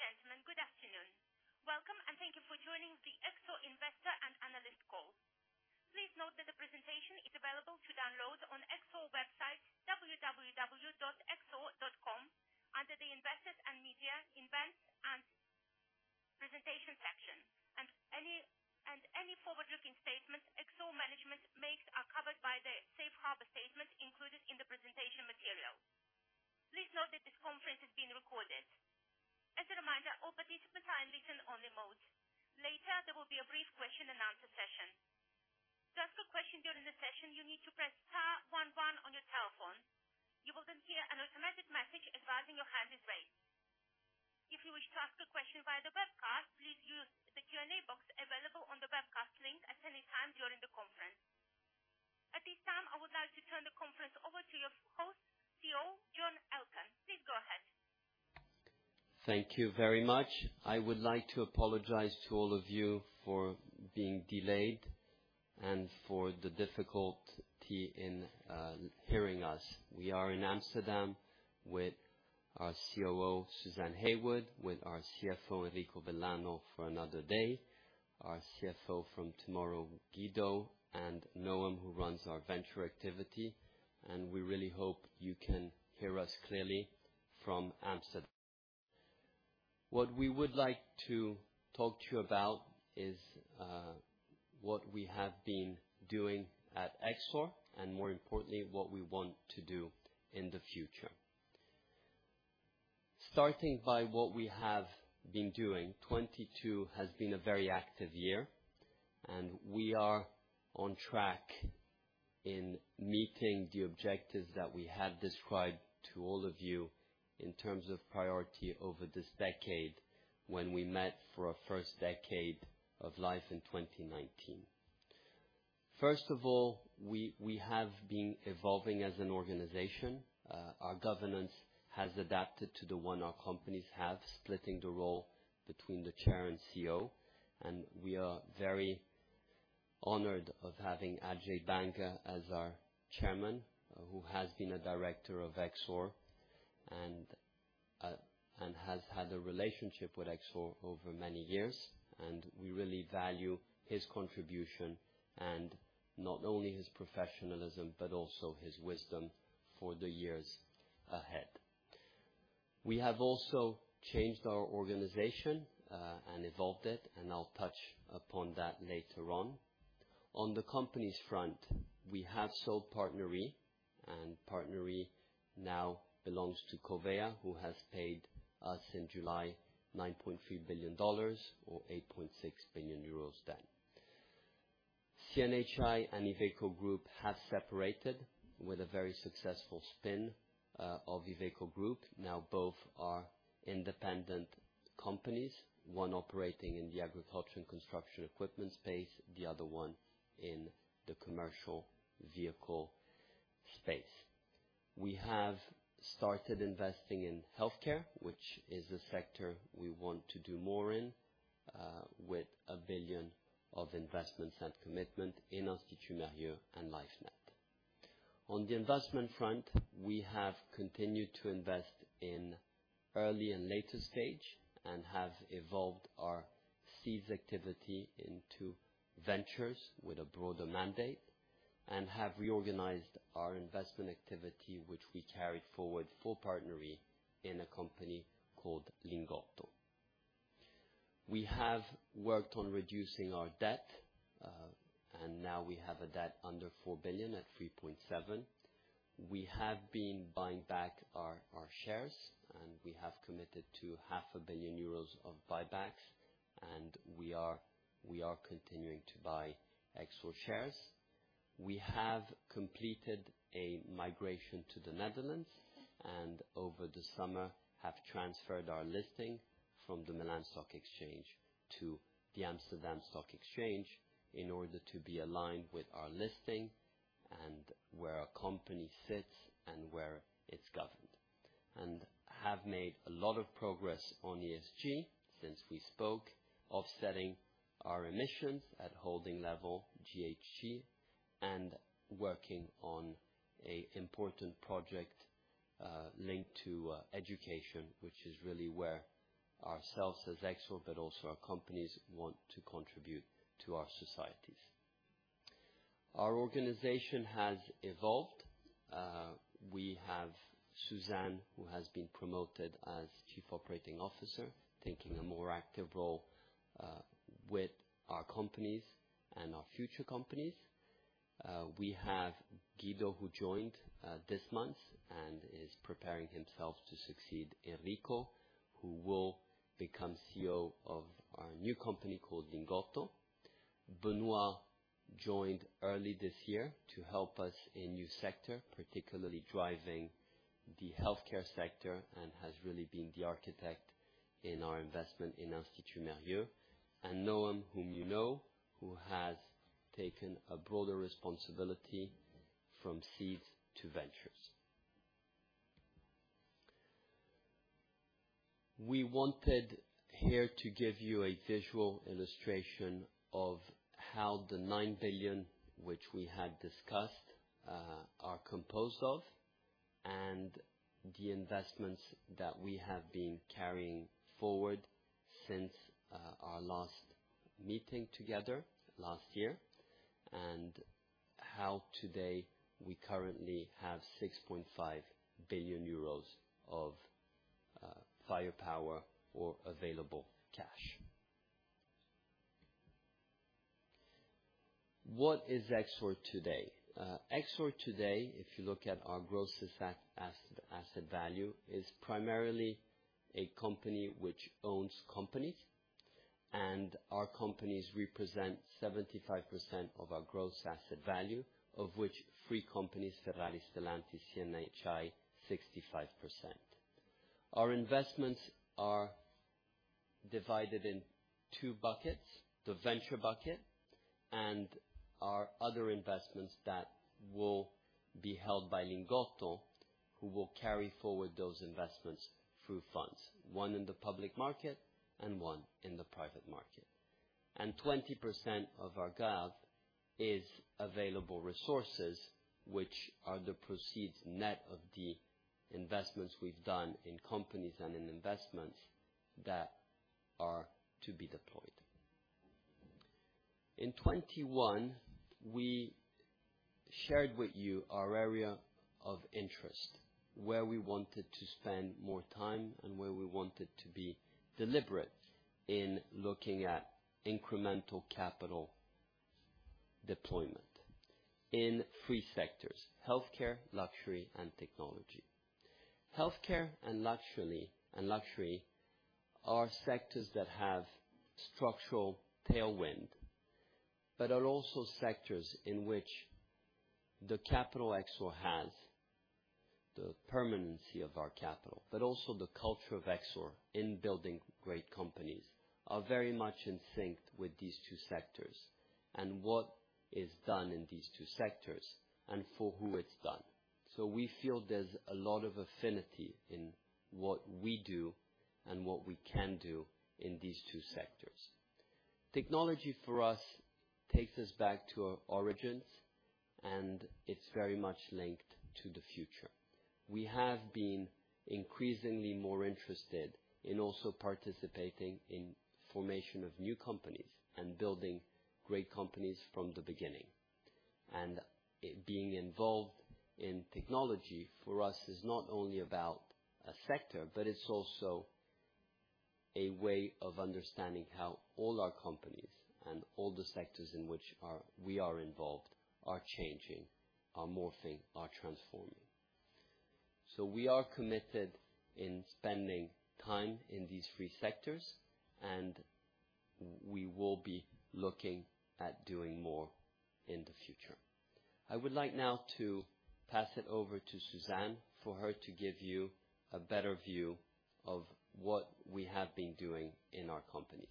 Ladies and gentlemen, good afternoon. Welcome. Thank you for joining the Exor Investor and Analyst call. Please note that the presentation is available to download on Exor website www.exor.com under the Investors and Media Events and Presentation section. Any forward-looking statements Exor management makes are covered by the safe harbor statement included in the presentation material. Please note that this conference is being recorded. As a reminder, all participants are in listen-only mode. Later, there will be a brief question and answer session. To ask a question during the session, you need to press star 11 on your telephone. You will then hear an automatic message advising your hand is raised. If you wish to ask a question via the webcast, please use the Q&A box available on the webcast link at any time during the conference. At this time, I would like to turn the conference over to your host, CEO John Elkann. Please go ahead. Thank you very much. I would like to apologize to all of you for being delayed and for the difficulty in hearing us. We are in Amsterdam with our COO, Suzanne Heywood, with our CFO, Enrico Vellano, for another day, our CFO from tomorrow, Guido, and Noam, who runs our venture activity. We really hope you can hear us clearly from Amsterdam. What we would like to talk to you about is what we have been doing at Exor and more importantly, what we want to do in the future. Starting by what we have been doing. 2022 has been a very active year, and we are on track in meeting the objectives that we have described to all of you in terms of priority over this decade, when we met for our first decade of life in 2019. First of all, we have been evolving as an organization. Our governance has adapted to the one our companies have, splitting the role between the chair and CEO. We are very honored of having Ajay Banga as our chairman, who has been a director of Exor and has had a relationship with Exor over many years. We really value his contribution and not only his professionalism, but also his wisdom for the years ahead. We have also changed our organization and evolved it, and I'll touch upon that later on. On the companies front, we have sold PartnerRe, and PartnerRe now belongs to Covéa, who has paid us in July $9.3 billion or 8.6 billion euros then. CNHI and Iveco Group have separated with a very successful spin of Iveco Group. Now both are independent companies, one operating in the agriculture and construction equipment space, the other one in the commercial vehicle space. We have started investing in healthcare, which is a sector we want to do more in, with 1 billion of investments and commitment in Institut Mérieux and Lifenet. On the investment front, we have continued to invest in early and later stage and have evolved our seeds activity into Ventures with a broader mandate. Have reorganized our investment activity, which we carried forward for PartnerRe in a company called Lingotto. We have worked on reducing our debt, and now we have a debt under 4 billion at 3.7 billion. We have been buying back our shares, and we have committed to half a billion euros of buybacks, and we are continuing to buy Exor shares. We have completed a migration to the Netherlands and over the summer have transferred our listing from the Milan Stock Exchange to the Amsterdam Stock Exchange in order to be aligned with our listing and where our company sits and where it's governed. We have made a lot of progress on ESG since we spoke. Offsetting our emissions at holding level GHG and working on a important project linked to education, which is really where ourselves as Exor, but also our companies want to contribute to our societies. Our organization has evolved. We have Suzanne, who has been promoted as Chief Operating Officer, taking a more active role with our companies and our future companies. We have Guido, who joined this month and is preparing himself to succeed Enrico, who will become CEO of our new company called Lingotto. Benoit joined early this year to help us in new sector, particularly driving the healthcare sector, and has really been the architect in our investment in Institut Mérieux. Noam, whom you know, who has taken a broader responsibility from seeds to ventures. We wanted here to give you a visual illustration of how the 9 billion, which we had discussed, are composed of, and the investments that we have been carrying forward since our last meeting together last year, and how today we currently have 6.5 billion euros of firepower or available cash. What is Exor today? Exor today, if you look at our gross asset value, is primarily a company which owns companies, and our companies represent 75% of our gross asset value, of which three companies, Ferrari, Stellantis, CNHI, 65%. Our investments are divided in 2 buckets, the venture bucket and our other investments that will be held by Lingotto, who will carry forward those investments through funds, 1 in the public market and 1 in the private market. Twenty percent of our GAV is available resources, which are the proceeds net of the investments we've done in companies and in investments that are to be deployed. In 2021, we shared with you our area of interest, where we wanted to spend more time and where we wanted to be deliberate in looking at incremental capital deployment in 3 sectors, healthcare, luxury, and technology. Healthcare and luxury are sectors that have structural tailwind but are also sectors in which the capital Exor has, the permanency of our capital, but also the culture of Exor in building great companies are very much in sync with these two sectors and what is done in these two sectors and for who it's done. We feel there's a lot of affinity in what we do and what we can do in these two sectors. Technology, for us, takes us back to our origins, and it's very much linked to the future. We have been increasingly more interested in also participating in formation of new companies and building great companies from the beginning. Being involved in technology for us is not only about a sector, but it's also a way of understanding how all our companies and all the sectors in which we are involved are changing, are morphing, are transforming. We are committed in spending time in these three sectors, and we will be looking at doing more in the future. I would like now to pass it over to Suzanne for her to give you a better view of what we have been doing in our companies.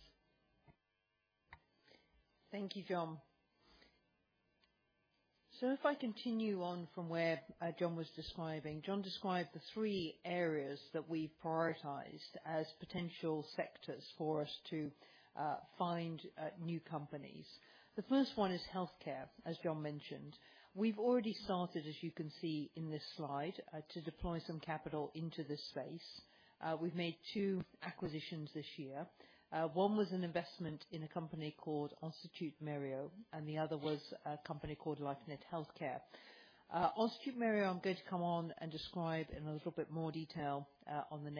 Thank you, John. If I continue on from where John was describing, John described the three areas that we prioritized as potential sectors for us to find new companies. The first one is healthcare, as John mentioned. We've already started, as you can see in this slide, to deploy some capital into this space. We've made two acquisitions this year. One was an investment in a company called Institut Mérieux, and the other was a company called Lifenet Healthcare. Institut Mérieux, I'm going to come on and describe in a little bit more detail on the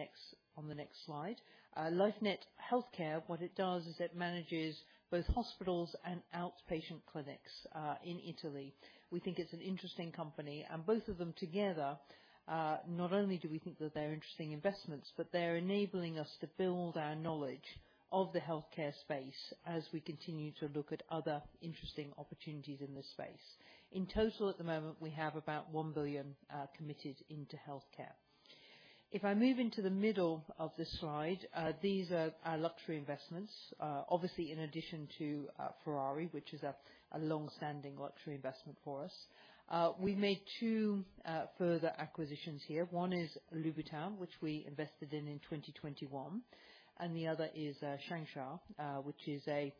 next slide. Lifenet Healthcare, what it does is it manages both hospitals and outpatient clinics in Italy. We think it's an interesting company. Both of them together, not only do we think that they're interesting investments, but they're enabling us to build our knowledge of the healthcare space as we continue to look at other interesting opportunities in this space. In total, at the moment, we have about 1 billion committed into healthcare. If I move into the middle of this slide, these are our luxury investments. Obviously, in addition to Ferrari, which is a long-standing luxury investment for us. We made 2 further acquisitions here. One is Louis Vuitton, which we invested in in 2021, and the other is Shangxia, which is a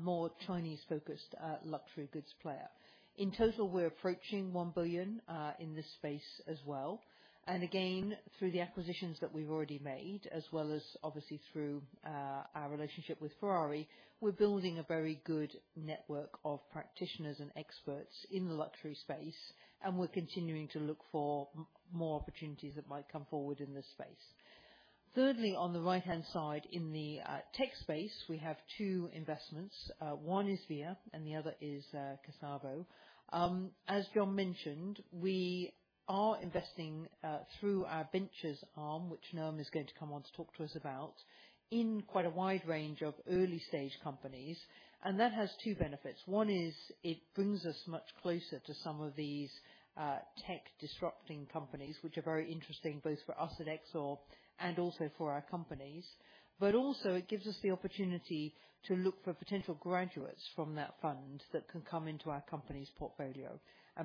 more Chinese-focused luxury goods player. In total, we're approaching 1 billion in this space as well. Again, through the acquisitions that we've already made, as well as obviously through our relationship with Ferrari, we're building a very good network of practitioners and experts in the luxury space, and we're continuing to look for more opportunities that might come forward in this space. Thirdly, on the right-hand side, in the tech space, we have 2 investments. One is Via and the other is Casavo. As John mentioned, we are investing through our ventures arm, which Noam is going to come on to talk to us about, in quite a wide range of early-stage companies, and that has 2 benefits. One is it brings us much closer to some of these tech disrupting companies, which are very interesting both for us at Exor and also for our companies. It gives us the opportunity to look for potential graduates from that fund that can come into our company's portfolio.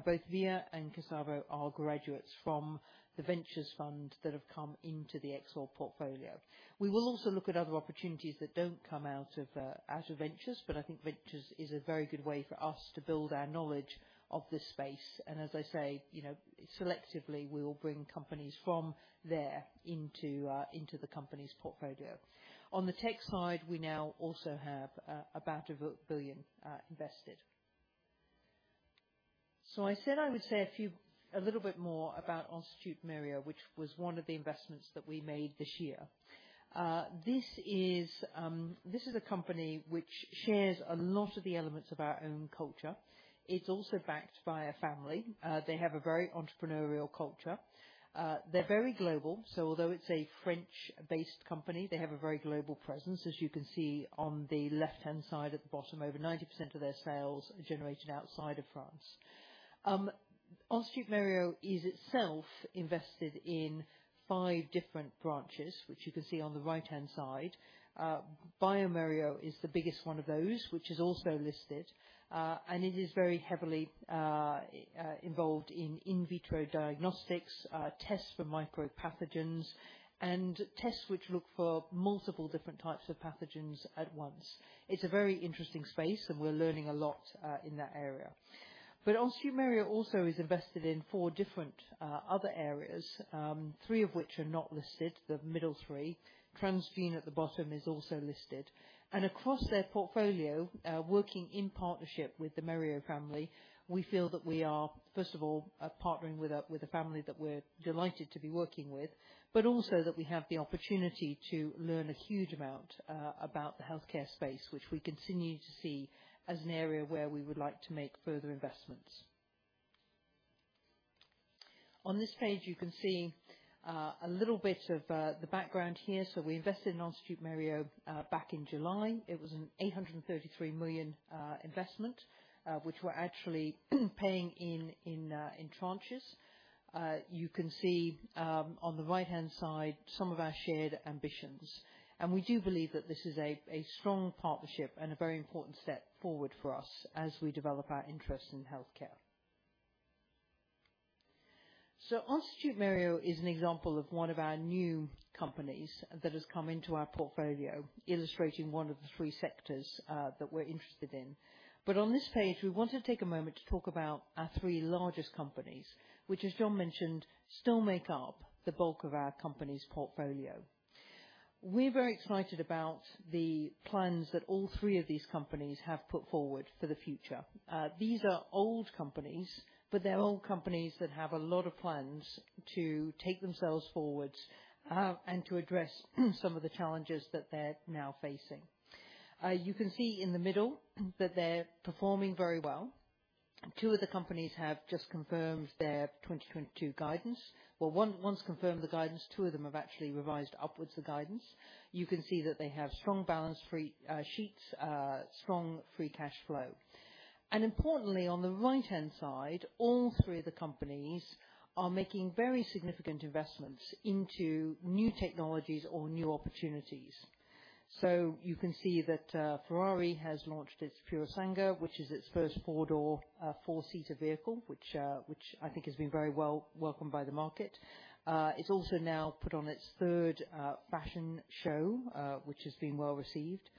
Both Via and Casavo are graduates from the ventures fund that have come into the Exor portfolio. We will also look at other opportunities that don't come out of ventures, but I think ventures is a very good way for us to build our knowledge of this space. You know, selectively, we will bring companies from there into the company's portfolio. On the tech side, we now also have about 1 billion invested. I would say a little bit more about Institut Mérieux, which was one of the investments that we made this year. This is a company which shares a lot of the elements of our own culture. It's also backed by a family. They have a very entrepreneurial culture. They're very global. Although it's a French-based company, they have a very global presence. As you can see on the left-hand side at the bottom, over 90% of their sales are generated outside of France. Institut Mérieux is itself invested in five different branches, which you can see on the right-hand side. bioMérieux is the biggest one of those, which is also listed. And it is very heavily involved in in vitro diagnostics, tests for micropathogens, and tests which look for multiple different types of pathogens at once. It's a very interesting space, and we're learning a lot in that area. Institut Mérieux also is invested in four different other areas, three of which are not listed, the middle three. Transgene at the bottom is also listed. Across their portfolio, working in partnership with the Mérieux family, we feel that we are, first of all, partnering with a family that we're delighted to be working with, but also that we have the opportunity to learn a huge amount about the healthcare space, which we continue to see as an area where we would like to make further investments. On this page, you can see a little bit of the background here. We invested in Institut Mérieux back in July. It was an 833 million investment, which we're actually paying in tranches. You can see on the right-hand side, some of our shared ambitions. We do believe that this is a strong partnership and a very important step forward for us as we develop our interest in healthcare. Institut Mérieux is an example of one of our new companies that has come into our portfolio, illustrating one of the three sectors that we're interested in. On this page, we want to take a moment to talk about our three largest companies, which, as John mentioned, still make up the bulk of our company's portfolio. We're very excited about the plans that all three of these companies have put forward for the future. These are old companies, but they're old companies that have a lot of plans to take themselves forwards and to address some of the challenges that they're now facing. You can see in the middle that they're performing very well. 2 of the companies have just confirmed their 2022 guidance. Well, one's confirmed the guidance, 2 of them have actually revised upwards the guidance. You can see that they have strong balance sheets, strong free cash flow. Importantly, on the right-hand side, all 3 of the companies are making very significant investments into new technologies or new opportunities. You can see that Ferrari has launched its Purosangue, which is its first 4-door, 4-seater vehicle, which I think has been very well welcomed by the market. It's also now put on its third fashion show, which has been well-received.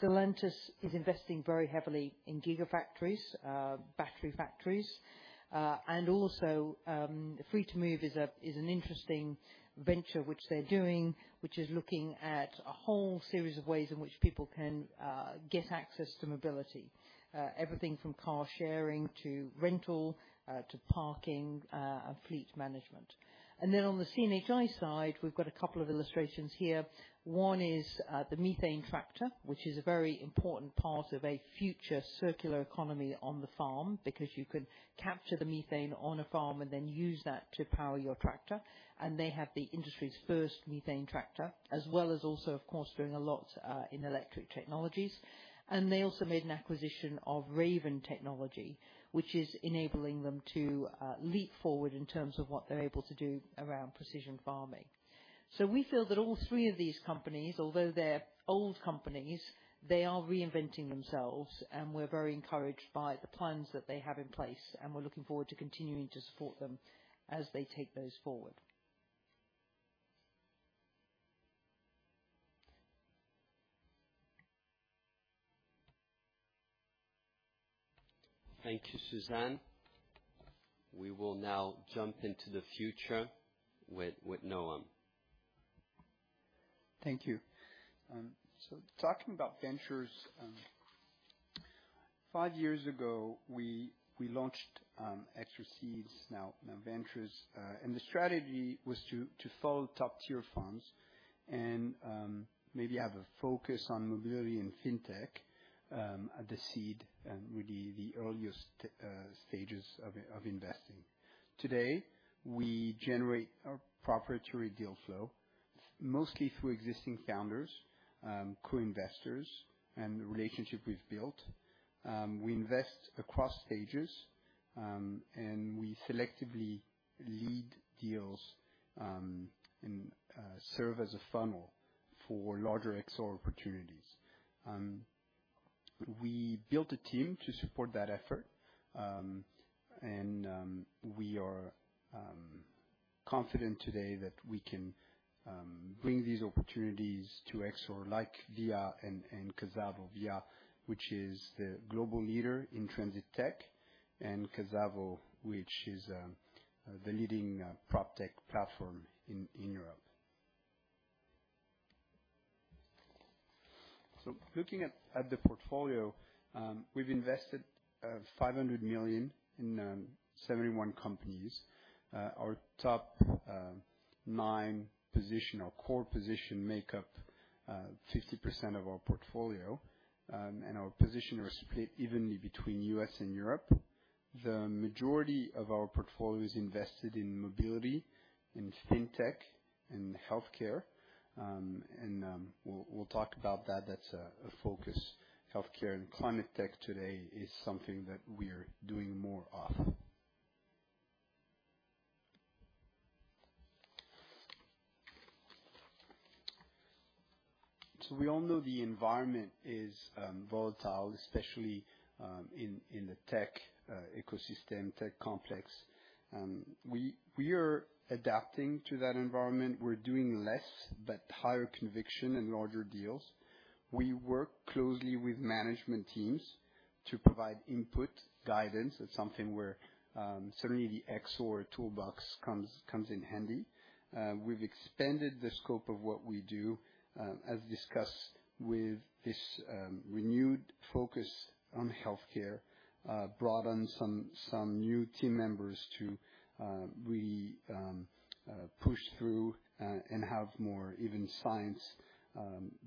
Stellantis is investing very heavily in gigafactories, battery factories. Also, Free2move is an interesting venture which they're doing, which is looking at a whole series of ways in which people can get access to mobility. Everything from car sharing to rental, to parking, and fleet management. Then on the CNHI side, we've got a couple of illustrations here. One is the methane tractor, which is a very important part of a future circular economy on the farm, because you can capture the methane on a farm and then use that to power your tractor. They have the industry's first methane tractor, as well as also, of course, doing a lot in electric technologies. They also made an acquisition of Raven Industries, which is enabling them to leap forward in terms of what they're able to do around precision farming. We feel that all three of these companies, although they're old companies, they are reinventing themselves, and we're very encouraged by the plans that they have in place, and we're looking forward to continuing to support them as they take those forward. Thank you, Suzanne. We will now jump into the future with Noam. Thank you. Talking about ventures, five years ago, we launched Exor Seeds, now Ventures. The strategy was to follow top-tier funds and maybe have a focus on mobility and FinTech at the seed and really the earliest stages of investing. Today, we generate our proprietary deal flow mostly through existing founders, co-investors, and the relationship we've built. We invest across stages, we selectively lead deals, serve as a funnel for larger Exor opportunities. We built a team to support that effort; we are confident today that we can bring these opportunities to Exor like Via and Casavo. Via, which is the global leader in TransitTech, and Casavo, which is the leading PropTech platform in Europe. Looking at the portfolio, we've invested 500 million in 71 companies. Our top 9 position or core position make up 50% of our portfolio. Our position is split evenly between US and Europe. The majority of our portfolio is invested in mobility, in FinTech, in healthcare, we'll talk about that. That's a focus. Healthcare and Climate tech today is something that we're doing more of. We all know the environment is volatile, especially in the tech ecosystem, tech complex. We are adapting to that environment. We're doing less, but higher conviction and larger deals. We work closely with management teams to provide input, guidance. That's something where certainly the Exor toolbox comes in handy. We've expanded the scope of what we do as discussed with this renewed focus on healthcare, brought on some new team members to really push through and have more even science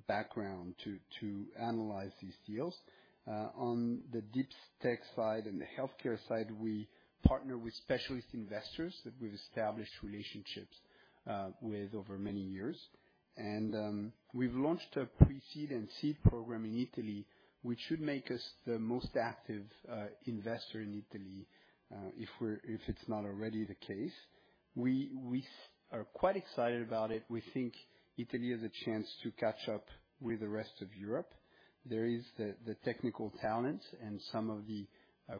background to analyze these deals. On the deep tech side and the healthcare side, we partner with specialist investors that we've established relationships with over many years. We've launched a pre-seed and seed program in Italy, which should make us the most active investor in Italy, if it's not already the case. We are quite excited about it. We think Italy has a chance to catch up with the rest of Europe. There is the technical talent and some of the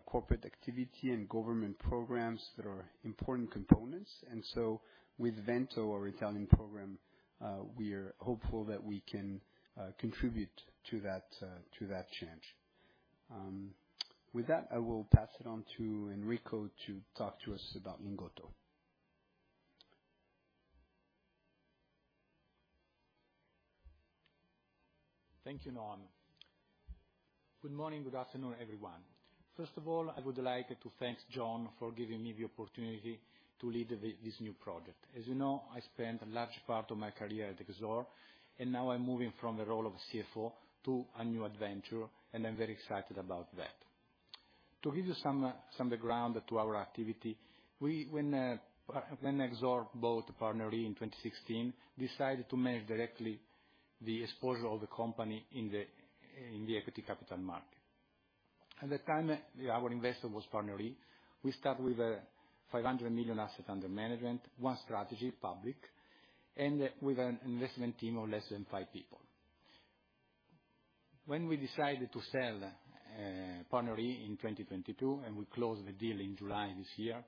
corporate activity and government programs that are important components. With Vento, our Italian program, we are hopeful that we can contribute to that to that change. With that, I will pass it on to Enrico to talk to us about Lingotto. Thank you, Noam. Good morning, good afternoon, everyone. First of all, I would like to thank John for giving me the opportunity to lead this new project. As you know, I spent a large part of my career at Exor, now I'm moving from the role of CFO to a new adventure, and I'm very excited about that. To give you some background to our activity, when Exor bought PartnerRe in 2016, decided to manage directly the exposure of the company in the equity capital market. At the time, our investor was PartnerRe. We start with 500 million asset under management, one strategy, public, and with an investment team of less than five people. When we decided to sell PartnerRe in 2022, we closed the deal in July this year,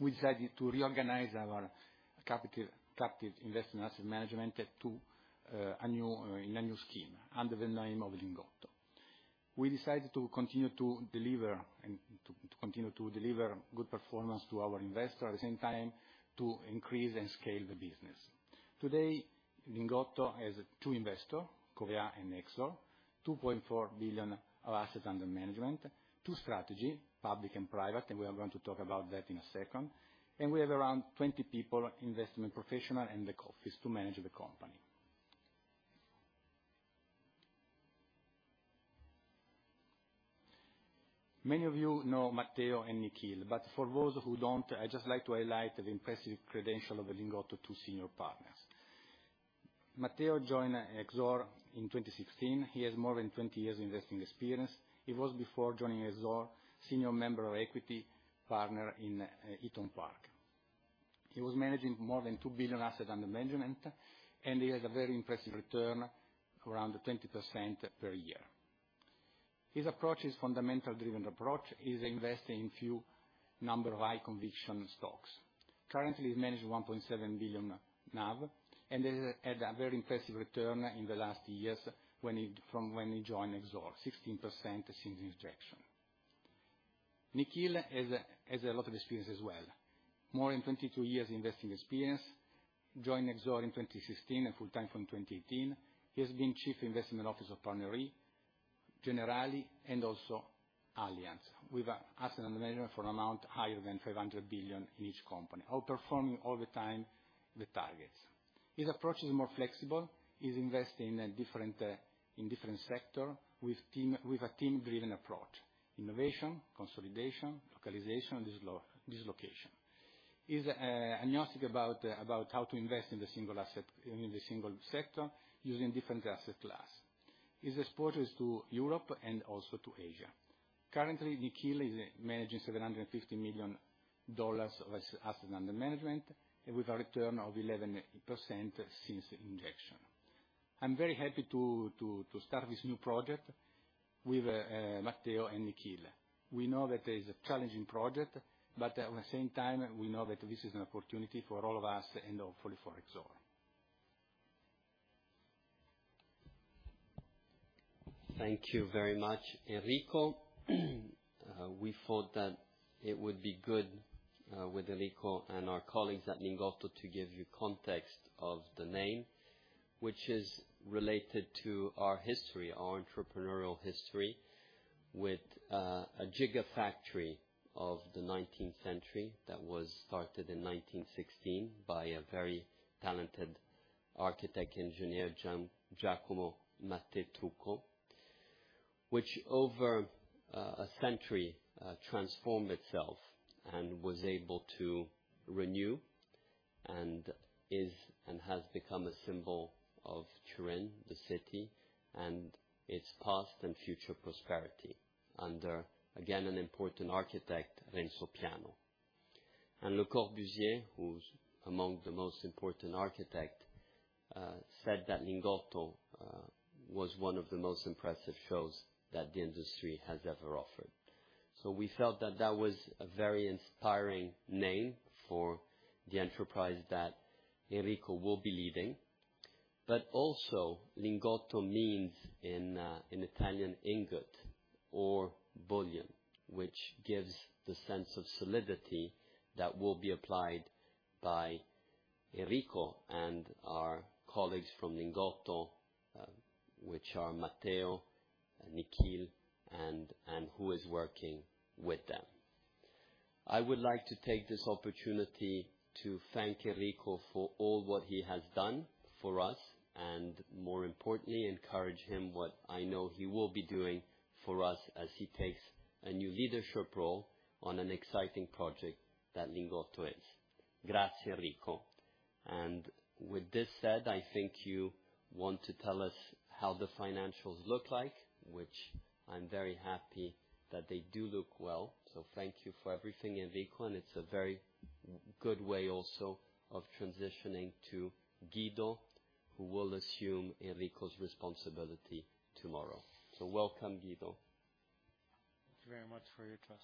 we decided to reorganize our capital. captive investment asset management to a new in a new scheme under the name of Lingotto. We decided to continue to deliver and to continue to deliver good performance to our investor, at the same time, to increase and scale the business. Today, Lingotto has 2 investors, Covéa and Exor, 2.4 billion of assets under management, 2 strategies, public and private. We are going to talk about that in a second. We have around 20 people, investment professional in the office to manage the company. Many of you know Matteo and Nikhil, but for those who don't, I'd just like to highlight the impressive credential of the Lingotto 2 senior partners. Matteo joined Exor in 2016. He has more than 20 years investing experience. He was, before joining Exor, senior member of equity partner in Eton Park. He was managing more than 2 billion asset under management, and he has a very impressive return, around 20% per year. His approach is fundamental driven approach. He's investing in few numbers of high conviction stocks. Currently, he's managing 1.7 billion NAV and has had a very impressive return in the last years from when he joined Exor, 16% since injection. Nikhil has a lot of experience as well, more than 22 years investing experience. Joined Exor in 2016 and full-time from 2018. He has been chief investment office of PartnerRe, Generali, and also Allianz with asset under management for amount higher than 500 billion in each company, outperforming all the time the targets. His approach is more flexible. He's investing in a different sector with a team driven approach, innovation, consolidation, localization, and dislocation. He's agnostic about how to invest in the single asset, in the single sector using different asset class. His exposure is to Europe and also to Asia. Currently, Nikhil is managing $750 million of assets under management with a return of 11% since injection. I'm very happy to start this new project with Matteo and Nikhil. We know that it is a challenging project. At the same time, we know that this is an opportunity for all of us and hopefully for Exor. Thank you very much, Enrico. We thought that it would be good, with Enrico and our colleagues at Lingotto to give you context of the name, which is related to our history, our entrepreneurial history, with a gigafactory of the 19th century that was started in 1916 by a very talented architect engineer, Giacomo Mattè-Trucco, which over a century transformed itself and was able to renew and is, and has become a symbol of Turin, the city, and its past and future prosperity under, again, an important architect, Renzo Piano. Le Corbusier, who's among the most important architect, said that Lingotto was one of the most impressive shows that the industry has ever offered. We felt that that was a very inspiring name for the enterprise that Enrico will be leading. Also, Lingotto means, in Italian, ingot or bullion, which gives the sense of solidity that will be applied by Enrico and our colleagues from Lingotto, which are Matteo and Nikhil and who is working with them. I would like to take this opportunity to thank Enrico for all what he has done for us, and more importantly, encourage him what I know he will be doing for us as he takes a new leadership role on an exciting project that Lingotto is. Grazie, Enrico. With this said, I think you want to tell us how the financials look like, which I'm very happy that they do look well. Thank you for everything, Enrico, and it's a very good way also of transitioning to Guido, who will assume Enrico's responsibility tomorrow. Welcome, Guido. Thank you very much for your trust.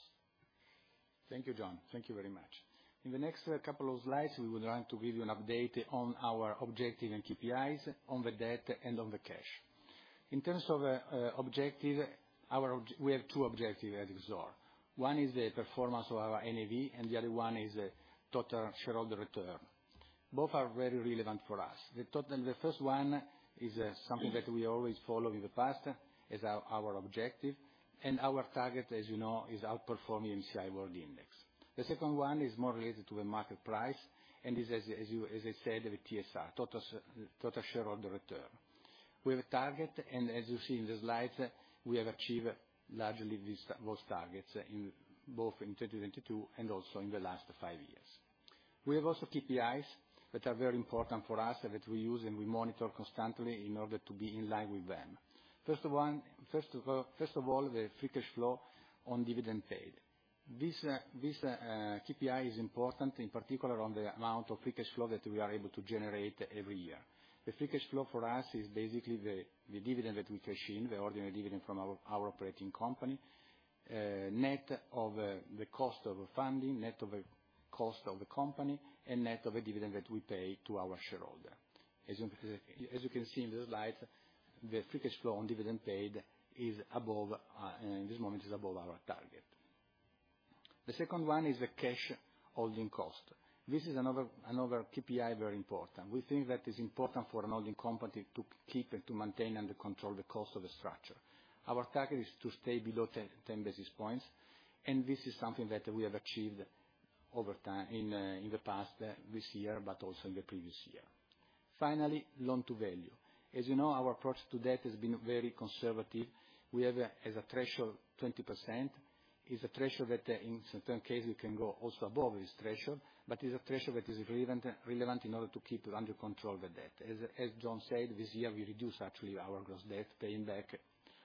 Thank you, John. Thank you very much. In the next couple of slides, we would like to give you an update on our objective and KPIs, on the debt, and on the cash. In terms of objective, our objective. We have two objectives at Exor. One is the performance of our NAV, and the other one is total shareholder return. Both are very relevant for us. The first one is something that we always follow in the past, is our objective, and our target, as you know, is outperforming MSCI World Index. The second one is more related to the market price, and is, as you, as I said, the TSR, total shareholder return. We have a target. As you see in the slides, we have achieved largely those targets in both 2022 and also in the last five years. We have also KPIs that are very important for us, that we use and we monitor constantly in order to be in line with them. First of all, the free cash flow on dividend paid. This KPI is important, in particular on the amount of free cash flow that we are able to generate every year. The free cash flow for us is basically the dividend that we cash in, the ordinary dividend from our operating company, net of the cost of funding, net of the cost of the company, and net of the dividend that we pay to our shareholder. As you can see in the slide, the free cash flow on dividend paid is above, in this moment, is above our target. The second one is the cash holding cost. This is another KPI very important. We think that it's important for a holding company to keep and to maintain under control the cost of the structure. Our target is to stay below 10 basis points. This is something that we have achieved over time in the past, this year, but also in the previous year. Finally, Loan-to-Value. As you know, our approach to debt has been very conservative. We have as a threshold 20%. It's a threshold that, in certain cases, we can go also above this threshold. It's a threshold that is relevant in order to keep under control the debt. As John said, this year, we reduced actually our gross debt, paying back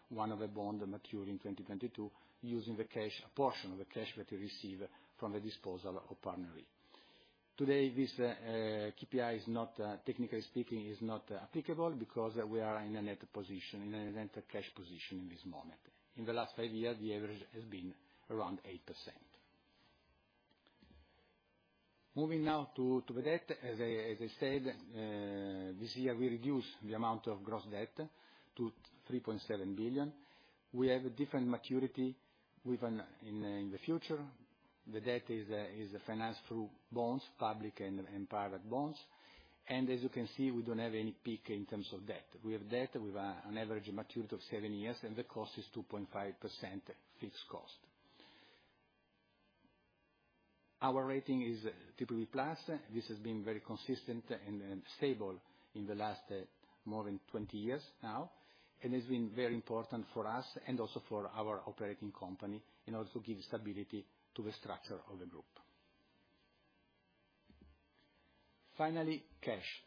one of the bond maturing in 2022 using the cash, a portion of the cash that we received from the disposal of Pernod Ricard. Today, this KPI is not technically speaking, is not applicable because we are in a net position, in a net cash position in this moment. In the last five years, the average has been around 8%. Moving now to the debt. As I said, this year, we reduced the amount of gross debt to 3.7 billion. We have a different maturity in the future. The debt is financed through bonds, public and private bonds. As you can see, we don't have any peak in terms of debt. We have debt with an average maturity of 7 years, the cost is 2.5% fixed cost. Our rating is BBB+. This has been very consistent and stable in the last more than 20 years now, it's been very important for us and also for our operating company in order to give stability to the structure of the group. Finally, cash.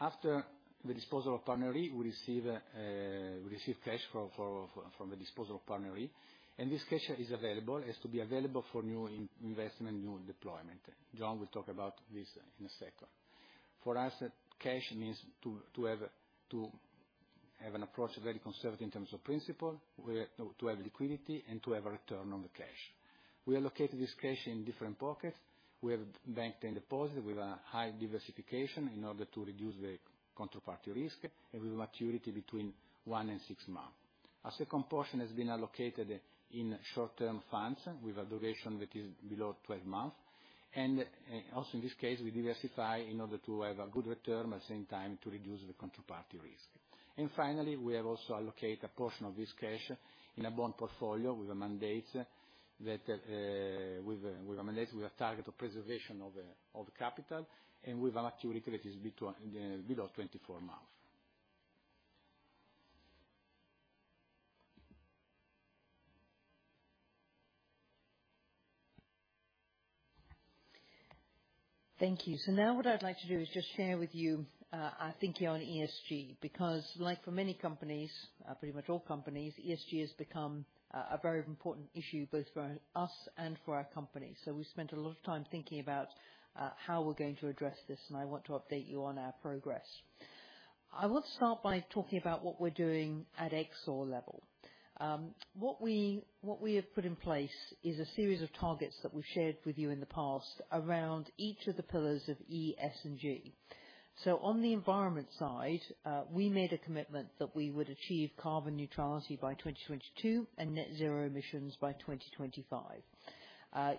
After the disposal of Pernod Ricard, we receive cash from the disposal of Pernod Ricard. This cash is available, has to be available for new in-investment, new deployment. John will talk about this in a second. For us, cash means to have an approach very conservative in terms of principle. We're to have liquidity and to have a return on the cash. We allocated this cash in different pockets. We have bank term deposits with a high diversification in order to reduce the counterparty risk, every maturity between 1 and 6 months. A second portion has been allocated in short-term funds with a duration that is below 12 months. Also in this case, we diversify in order to have a good return, at the same time to reduce the counterparty risk. Finally, we have also allocate a portion of this cash in a bond portfolio with a mandate that, with a target of preservation of capital and with a maturity that is below 24 months. Thank you. Now what I'd like to do is just share with you our thinking on ESG, because like for many companies, pretty much all companies, ESG has become a very important issue both for us and for our company. We spent a lot of time thinking about how we're going to address this, and I want to update you on our progress. I want to start by talking about what we're doing at Exor level. What we have put in place is a series of targets that we've shared with you in the past around each of the pillars of E, S, and G. On the environment side, we made a commitment that we would achieve carbon neutrality by 2022 and net zero emissions by 2025.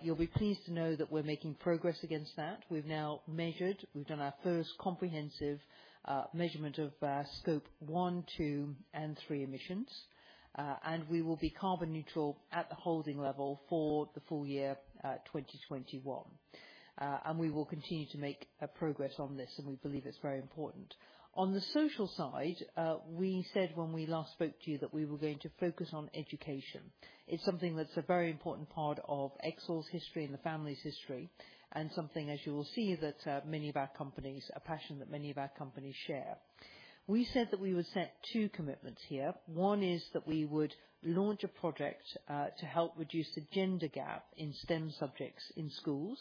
You'll be pleased to know that we're making progress against that. We've now measured. We've done our first comprehensive measurement of Scope 1, 2, and 3 emissions. We will be carbon neutral at the holding level for the full year 2021. We will continue to make progress on this, and we believe it's very important. On the social side, we said when we last spoke to you that we were going to focus on education. It's something that's a very important part of Exor's history and the family's history, something, as you will see, that many of our companies... A passion that many of our companies share. We said that we would set two commitments here. One is that we would launch a project to help reduce the gender gap in STEM subjects in schools.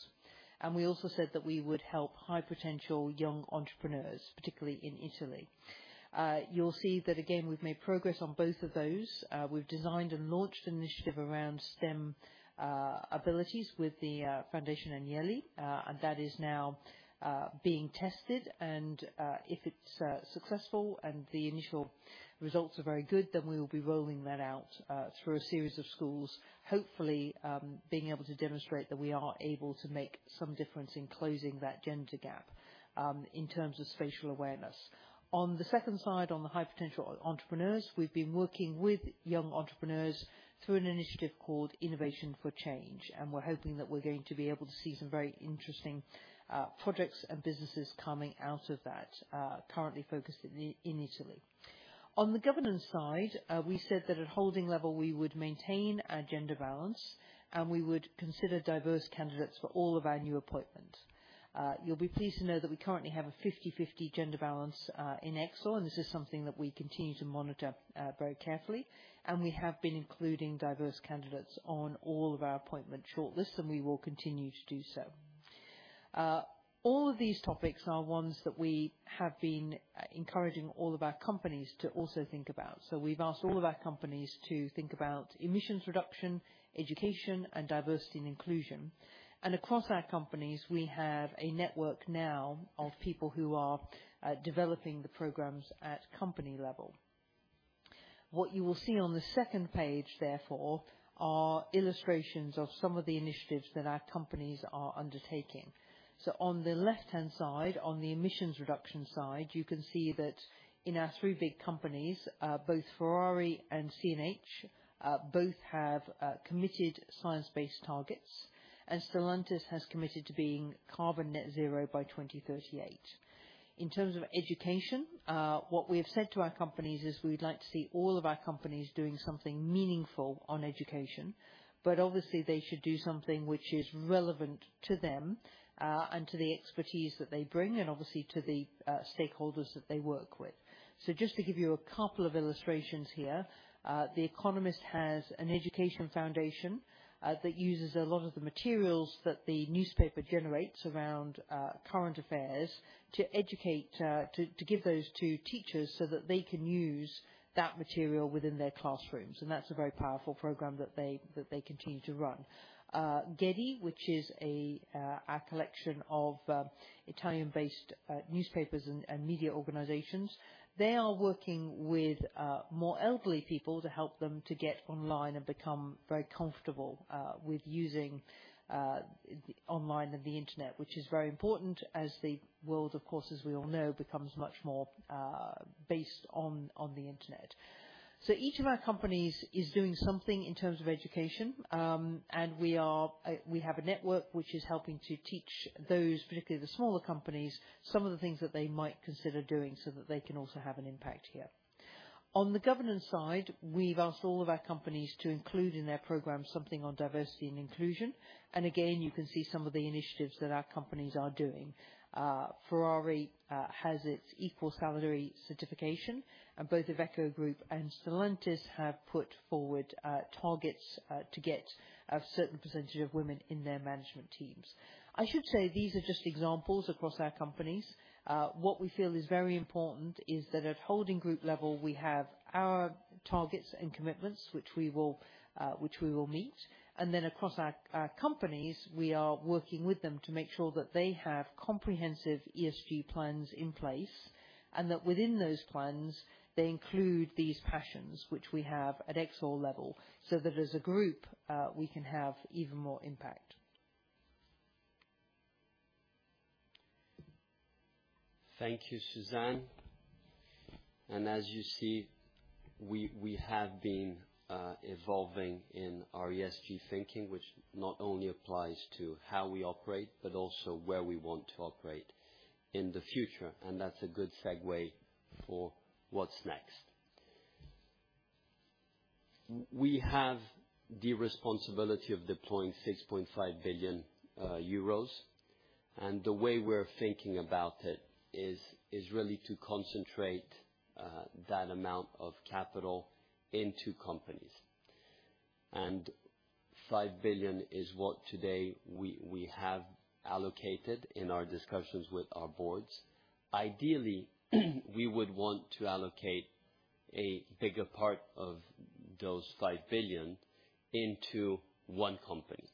We also said that we would help high potential young entrepreneurs, particularly in Italy. You'll see that again, we've made progress on both of those. We've designed and launched an initiative around STEM abilities with the Fondazione Agnelli, and that is now being tested and if it's successful and the initial results are very good, then we will be rolling that out through a series of schools, hopefully, being able to demonstrate that we are able to make some difference in closing that gender gap in terms of spatial awareness. On the second side, on the high potential entrepreneurs, we've been working with young entrepreneurs through an initiative called Innovation for Change. We're hoping that we're going to be able to see some very interesting projects and businesses coming out of that, currently focused in Italy. On the governance side, we said that at holding level we would maintain our gender balance. We would consider diverse candidates for all of our new appointments. You'll be pleased to know that we currently have a fifty-fifty gender balance in Exor. This is something that we continue to monitor very carefully. We have been including diverse candidates on all of our appointment shortlists, and we will continue to do so. All of these topics are ones that we have been encouraging all of our companies to also think about. We've asked all of our companies to think about emissions reduction, education, and diversity and inclusion. Across our companies, we have a network now of people who are developing the programs at company level. What you will see on the second page, therefore, are illustrations of some of the initiatives that our companies are undertaking. On the left-hand side, on the emissions reduction side, you can see that in our three big companies, both Ferrari and CNH, both have committed science-based targets, and Stellantis has committed to being carbon net zero by 2038. In terms of education, what we have said to our companies is we'd like to see all of our companies doing something meaningful on education, but obviously they should do something which is relevant to them, and to the expertise that they bring, and obviously to the stakeholders that they work with. Just to give you a couple of illustrations here, The Economist has an education foundation, that uses a lot of the materials that the newspaper generates around current affairs to educate, to give those to teachers so that they can use that material within their classrooms. That's a very powerful program that they continue to run. GEDI, which is a collection of Italian-based newspapers and media organizations, they are working with more elderly people to help them to get online and become very comfortable with using online and the Internet, which is very important as the world, of course, as we all know, becomes much more based on the Internet. Each of our companies is doing something in terms of education. We are, we have a network which is helping to teach those, particularly the smaller companies, some of the things that they might consider doing so that they can also have an impact here. On the governance side, we've asked all of our companies to include in their program something on diversity and inclusion. Again, you can see some of the initiatives that our companies are doing. Ferrari has its equal salary certification. Both Iveco Group and Stellantis have put forward targets to get a certain percentage of women in their management teams. I should say these are just examples across our companies. What we feel is very important is that at holding group level, we have our targets and commitments, which we will meet. Then across our companies, we are working with them to make sure that they have comprehensive ESG plans in place. Within those plans, they include these passions which we have at Exor level, so that as a group, we can have even more impact. Thank you, Suzanne. As you see, we have been evolving in our ESG thinking, which not only applies to how we operate, but also where we want to operate in the future, that's a good segue for what's next. We have the responsibility of deploying 65 billion euros, the way we're thinking about it is really to concentrate that amount of capital into companies. 5 billion is what today we have allocated in our discussions with our boards. Ideally, we would want to allocate a bigger part of those 5 billion into one company.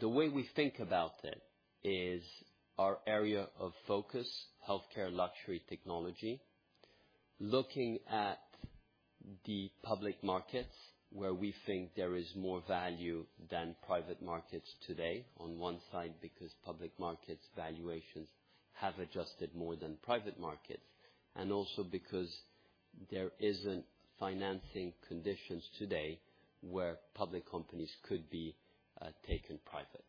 The way we think about it is our area of focus, healthcare, luxury technology, looking at the public markets, where we think there is more value than private markets today. On one side, because public markets valuations have adjusted more than private markets, and also because there isn't financing conditions today where public companies could be taken private.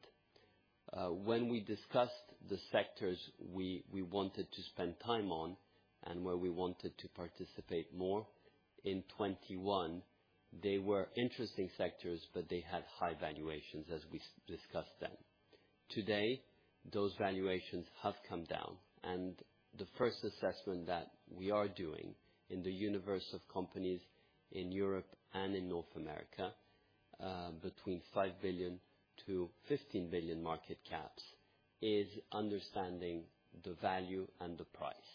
When we discussed the sectors we wanted to spend time on and where we wanted to participate more, in 2021, they were interesting sectors, but they had high valuations as we discussed then. Today, those valuations have come down, and the first assessment that we are doing in the universe of companies in Europe and in North America, between 5 to 15 billion market caps is understanding the value and the price.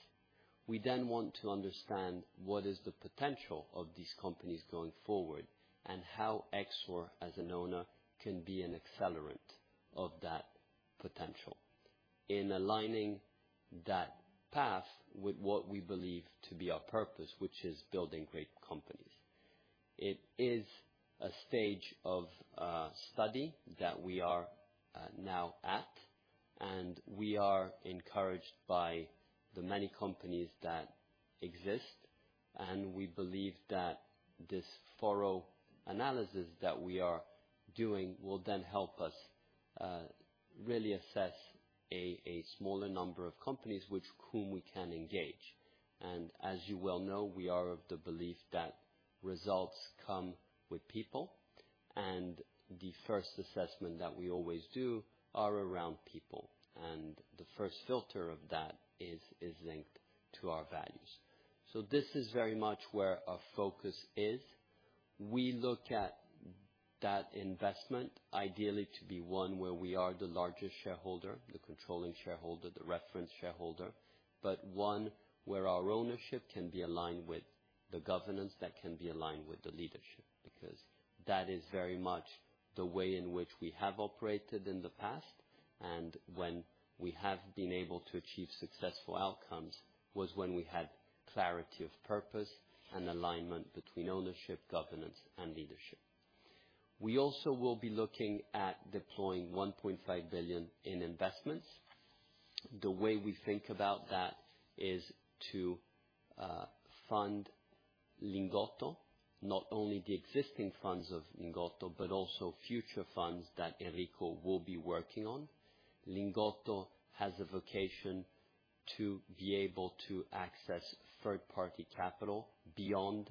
We then want to understand what is the potential of these companies going forward and how Exor as an owner can be an accelerant of that potential in aligning that path with what we believe to be our purpose, which is building great companies. It is a stage of study that we are now at. We are encouraged by the many companies that exist. We believe that this thorough analysis that we are doing will then help us really assess a smaller number of companies whom we can engage. As you well know, we are of the belief that results come with people. The first assessment that we always do are around people. The first filter of that is linked to our values. This is very much where our focus is. We look at that investment, ideally to be one where we are the largest shareholder, the controlling shareholder, the reference shareholder, but one where our ownership can be aligned with the governance, that can be aligned with the leadership, because that is very much the way in which we have operated in the past. When we have been able to achieve successful outcomes was when we had clarity of purpose and alignment between ownership, governance, and leadership. We also will be looking at deploying 1.5 billion in investments. The way we think about that is to fund Lingotto, not only the existing funds of Lingotto, but also future funds that Enrico will be working on. Lingotto has a vocation to be able to access third-party capital beyond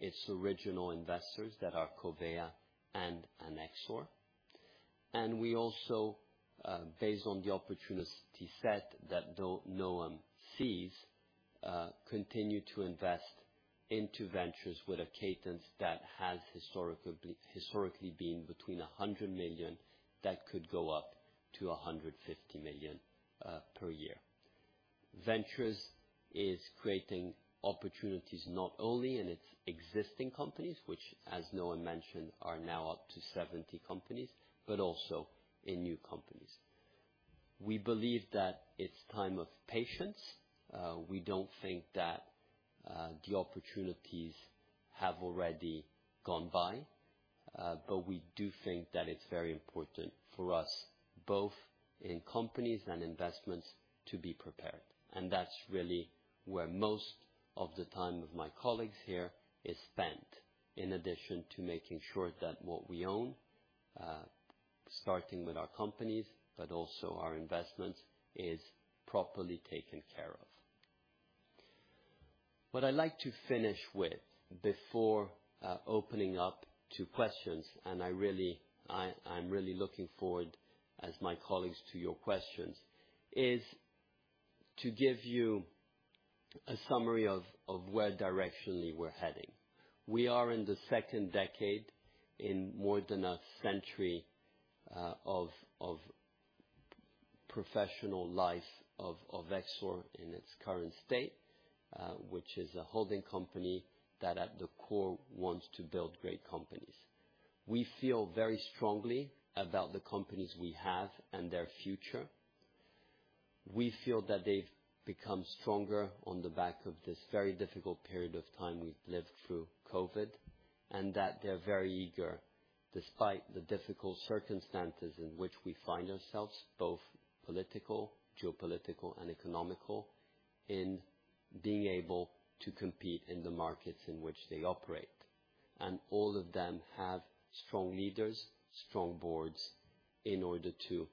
its original investors that are Covéa and Exor. We also, based on the opportunity set that Noam sees, continue to invest into Ventures with a cadence that has historically been between 100 million, that could go up to 150 million per year. Ventures is creating opportunities not only in its existing companies, which, as Noam mentioned, are now up to 70 companies, but also in new companies. We believe that it's time of patience. We don't think that the opportunities have already gone by, we do think that it's very important for us, both in companies and investments, to be prepared. That's really where most of the time of my colleagues here is spent, in addition to making sure that what we own, starting with our companies, but also our investments, is properly taken care of. What I'd like to finish with before opening up to questions, and I'm really looking forward as my colleagues to your questions, is to give you a summary of where directionally we're heading. We are in the second decade in more than a century of professional life of Exor in its current state. Which is a holding company that at the core wants to build great companies. We feel very strongly about the companies we have and their future. We feel that they've become stronger on the back of this very difficult period of time we've lived through COVID, and that they're very eager, despite the difficult circumstances in which we find ourselves, both political, geopolitical, and economical, in being able to compete in the markets in which they operate. All of them have strong leaders, strong boards, in order to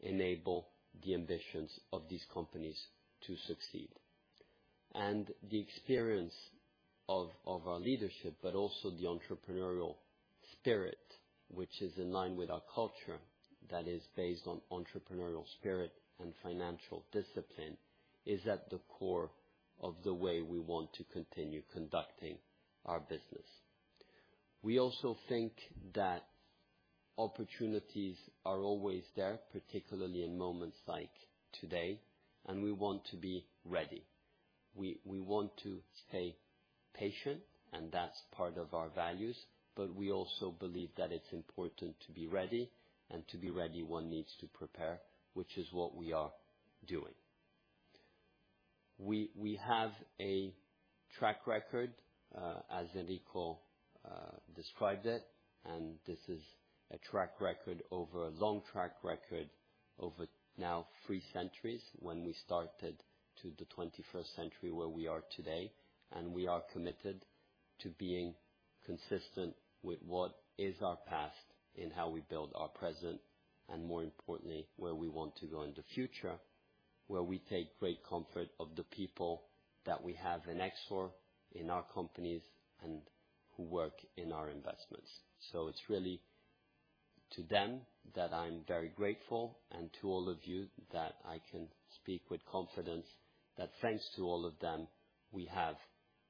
enable the ambitions of these companies to succeed. The experience of our leadership, but also the entrepreneurial spirit, which is in line with our culture that is based on entrepreneurial spirit and financial discipline, is at the core of the way we want to continue conducting our business. We also think that opportunities are always there, particularly in moments like today, and we want to be ready. We want to stay patient, and that's part of our values, but we also believe that it's important to be ready. To be ready, one needs to prepare, which is what we are doing. We have a track record, as Enrico described it, this is a track record over a long track record over now three centuries when we started to the 21st century where we are today. We are committed to being consistent with what is our past in how we build our present and more importantly, where we want to go in the future, where we take great comfort of the people that we have in Exor, in our companies, and who work in our investments. It's really to them that I'm very grateful, and to all of you that I can speak with confidence that thanks to all of them, we have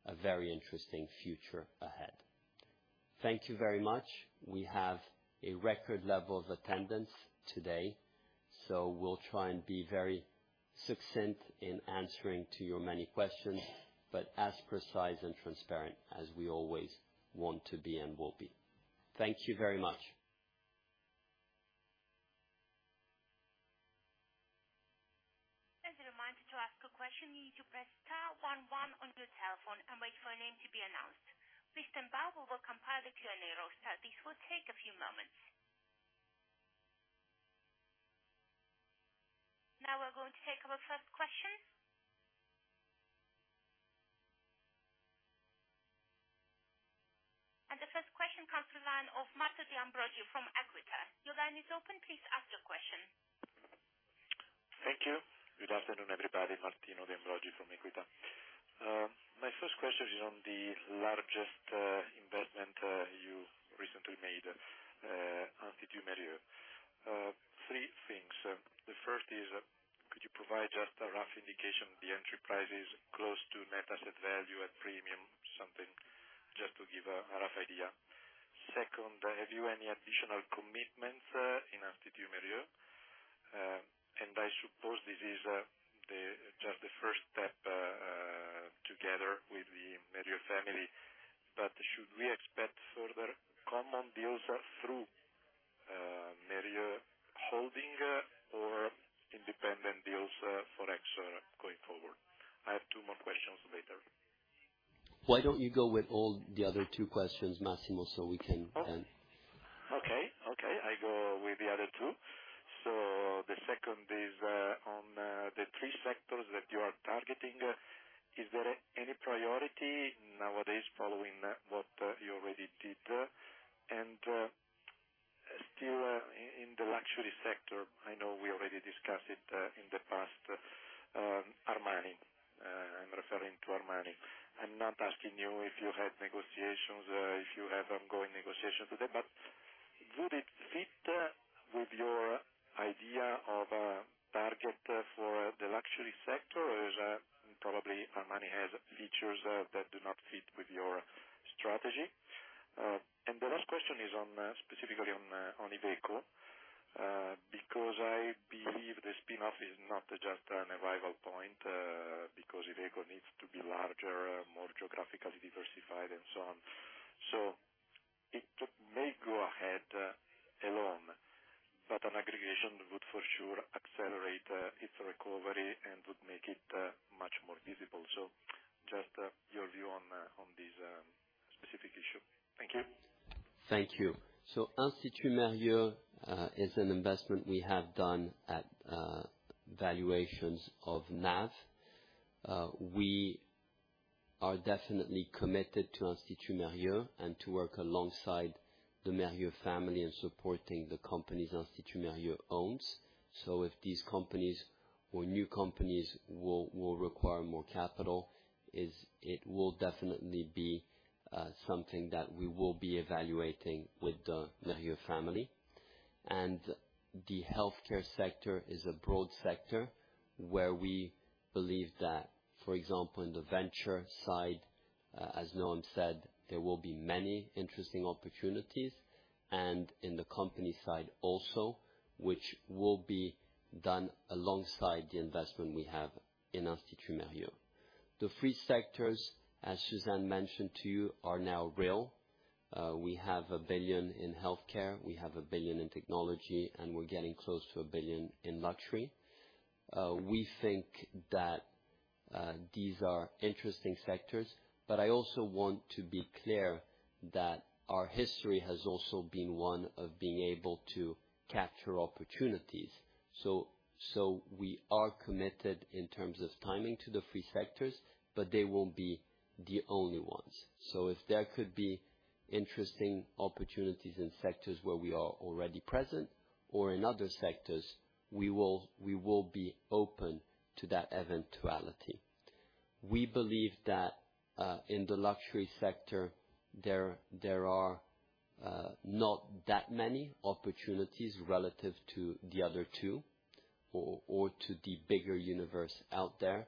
a very interesting future ahead. Thank you very much. We have a record level of attendance today, so we'll try and be very succinct in answering to your many questions, but as precise and transparent as we always want to be and will be. Thank you very much. As a reminder, to ask a question, you need to press star one one on your telephone and wait for your name to be announced. Please stand by while we compile the Q&A roster. This will take a few moments. Now we're going to take our first question. The first question comes the line of Martino De Ambrosio from Equita. Your line is open. Please ask your question. Thank you. Good afternoon, everybody. Martino De Ambrosio from Equita. My first question is on the largest investment you recently made, Institut Mérieux. Three things. The first is, could you provide just a rough indication the enterprise is close to net asset value at premium, something just to give a rough idea. Second, have you any additional commitments in Institut Mérieux? I suppose this is just the first step together with the Mérieux family. Should we expect further common deals through Mérieux holding or independent deals for Exor going forward? I have two more questions later. Why don't you go with all the other 2 questions, Martino, so we can. Okay. Okay. I go with the other two. The second is on the three sectors that you are targeting. Is there any priority nowadays following what you already did? Still in the luxury sector, I know we already discussed it in the past, Armani. I'm referring to Armani. I'm not asking you if you had negotiations, if you have ongoing negotiations with them, but would it fit with your idea of a target for the luxury sector? Or is probably Armani has features that do not fit with your strategy. And the last question is on specifically on Iveco. Because I believe the spin-off is not just an arrival point, because Iveco needs to be larger, more geographically diversified and so on. It may go ahead along, but an aggregation would for sure accelerate its recovery and would make it much more visible. Just your view on this specific issue. Thank you. Thank you. Institut Mérieux is an investment we have done at valuations of NAV. We are definitely committed to Institut Mérieux and to work alongside the Mérieux family in supporting the companies Institut Mérieux owns. If these companies or new companies will require more capital, it will definitely be something that we will be evaluating with the Mérieux family. The healthcare sector is a broad sector where we believe that, for example, in the venture side, as Noam said, there will be many interesting opportunities. In the company side also, which will be done alongside the investment we have in Institut Mérieux. The three sectors, as Suzanne mentioned to you, are now real. We have 1 billion in healthcare, we have 1 billion in technology, and we're getting close to 1 billion in luxury. We think that these are interesting sectors, but I also want to be clear that our history has also been one of being able to capture opportunities. We are committed in terms of timing to the three sectors, but they won't be the only ones. If there could be interesting opportunities in sectors where we are already present or in other sectors, we will be open to that eventuality. We believe that in the luxury sector, there are not that many opportunities relative to the other two or to the bigger universe out there.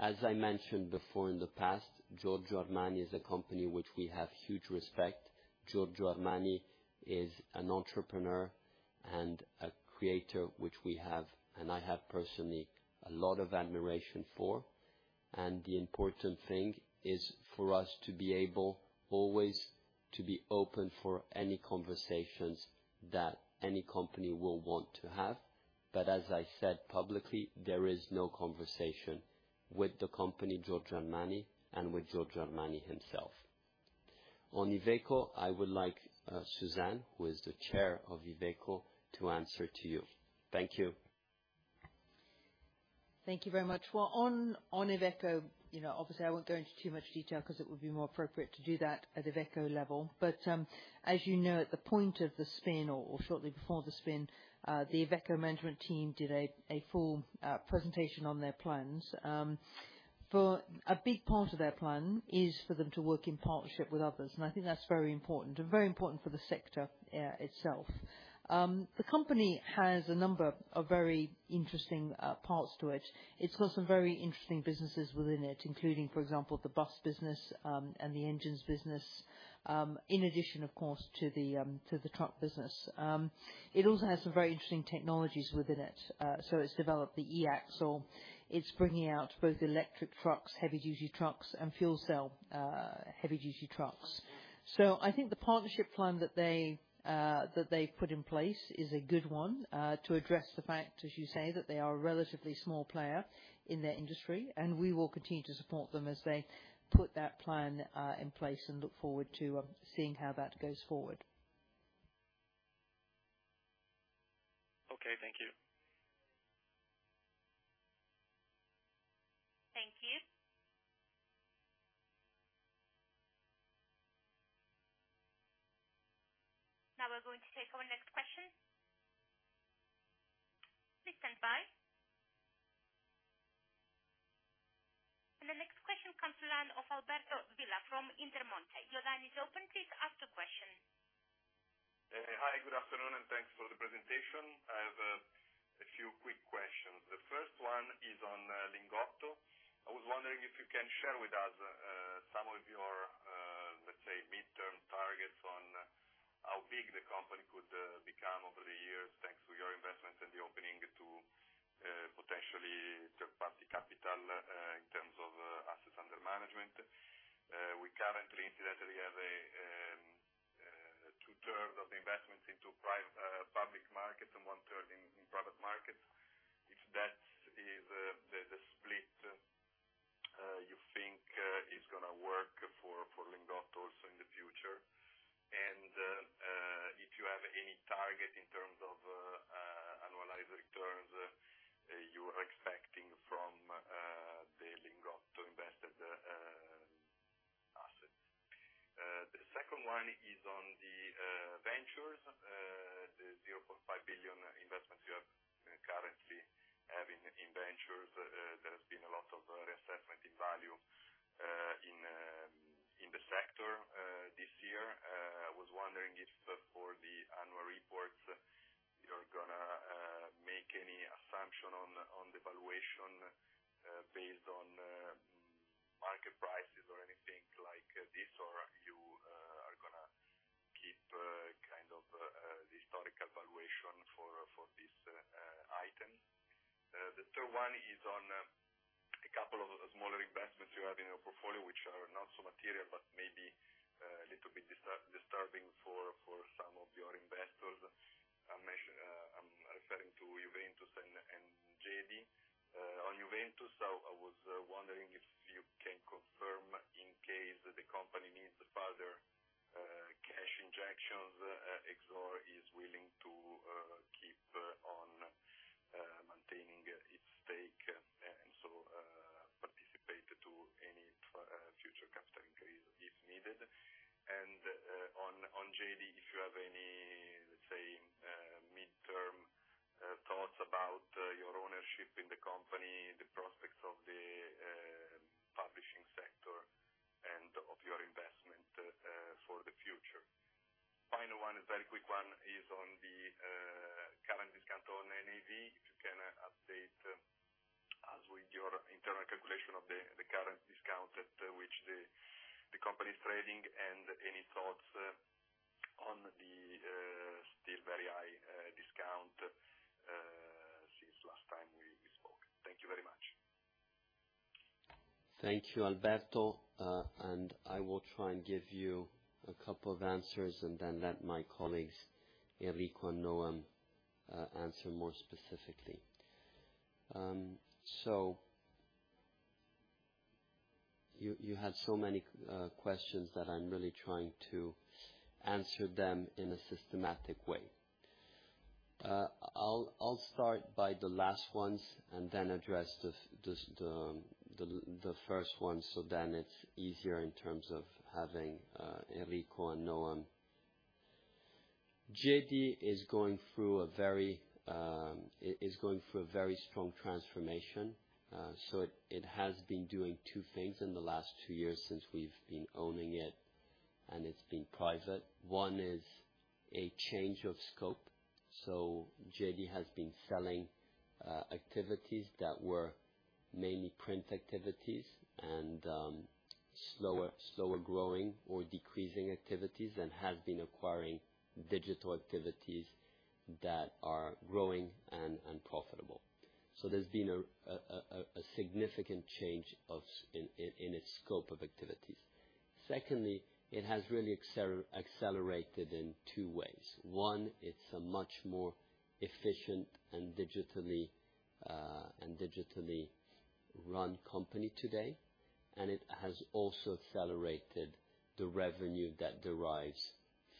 As I mentioned before in the past, Giorgio Armani is a company which we have huge respect. Giorgio Armani is an entrepreneur and a creator which we have, and I have personally, a lot of admiration for. The important thing is for us to be able always to be open for any conversations that any company will want to have. As I said publicly, there is no conversation with the company, Giorgio Armani, and with Giorgio Armani himself. On Iveco, I would like Suzanne, who is the chair of Iveco, to answer to you. Thank you. Thank you very much. Well, on Iveco, you know, obviously I won't go into too much detail because it would be more appropriate to do that at Iveco level. As you know, at the point of the spin or shortly before the spin, the Iveco management team did a full presentation on their plans. A big part of their plan is for them to work in partnership with others, and I think that's very important, and very important for the sector itself. The company has a number of very interesting parts to it. It's got some very interesting businesses within it, including, for example, the bus business, and the engines business, in addition, of course, to the truck business. It also has some very interesting technologies within it. It's developed the eAxle. It's bringing out both electric trucks, heavy-duty trucks, and fuel cell, heavy-duty trucks. I think the partnership plan that they that they've put in place is a good one to address the fact, as you say, that they are a relatively small player in their industry, and we will continue to support them as they put that plan in place, and look forward to seeing how that goes forward. Okay. Thank you. Thank you. Now we're going to take our next question. Please stand by. The next question comes in of Alberto Della from Intermonte. Your line is open. Please ask your question. Hi, good afternoon, thanks for the presentation. I have a few quick questions. The first one is on Lingotto. I was wondering if you can share with us some of your, let's say midterm targets on how big the company could become over the years, thanks to your investments and the opening to potentially third-party capital in terms of assets under management. We currently, incidentally, have two-thirds of investments into public markets and one-third in private markets. If that is the split you think is gonna work for Lingotto also in the future. If you have any target in terms of annualized returns you are expecting from the Lingotto invested assets. The second one is on the ventures, the 0.5 billion investments you currently have in ventures. There has been a lot of reassessment in value in the sector this year. I was wondering if for the annual reports you're gonna make any assumption on the valuation based on market prices or anything like this, or you are gonna keep kind of the historical valuation for this item. The third one is on a couple of smaller investments you have in your portfolio, which are not so material, but maybe a little bit disturbing for some of your investors. I'm referring to Juventus and GEDI. On Juventus, I was wondering if you can confirm in case the company needs further cash injections, Exor is willing to keep on maintaining its stake and so, participate to any future capital increase if needed. On GEDI, if you have any, let's say, midterm thoughts about your ownership in the company, the prospects of the publishing sector and of your investment for the future. Final one is very quick one of the current discount at which the company is trading, and any thoughts on the still very high discount since last time we spoke. Thank you very much. Thank you, Alberto. I will try and give you 2 answers and then let my colleagues, Enrico and Noam, answer more specifically. You had so many questions that I'm really trying to answer them in a systematic way. I'll start by the last ones and then address the first one, so then it's easier in terms of having Enrico and Noam. GEDI is going through a very strong transformation, so it has been doing 2 things in the last 2 years since we've been owning it, and it's been private. One is a change of scope. GEDI has been selling activities that were mainly print activities and slower growing or decreasing activities and has been acquiring digital activities that are growing and profitable. There's been a significant change in its scope of activities. Secondly, it has really accelerated in two ways. One, it's a much more efficient and digitally run company today, and it has also accelerated the revenue that derives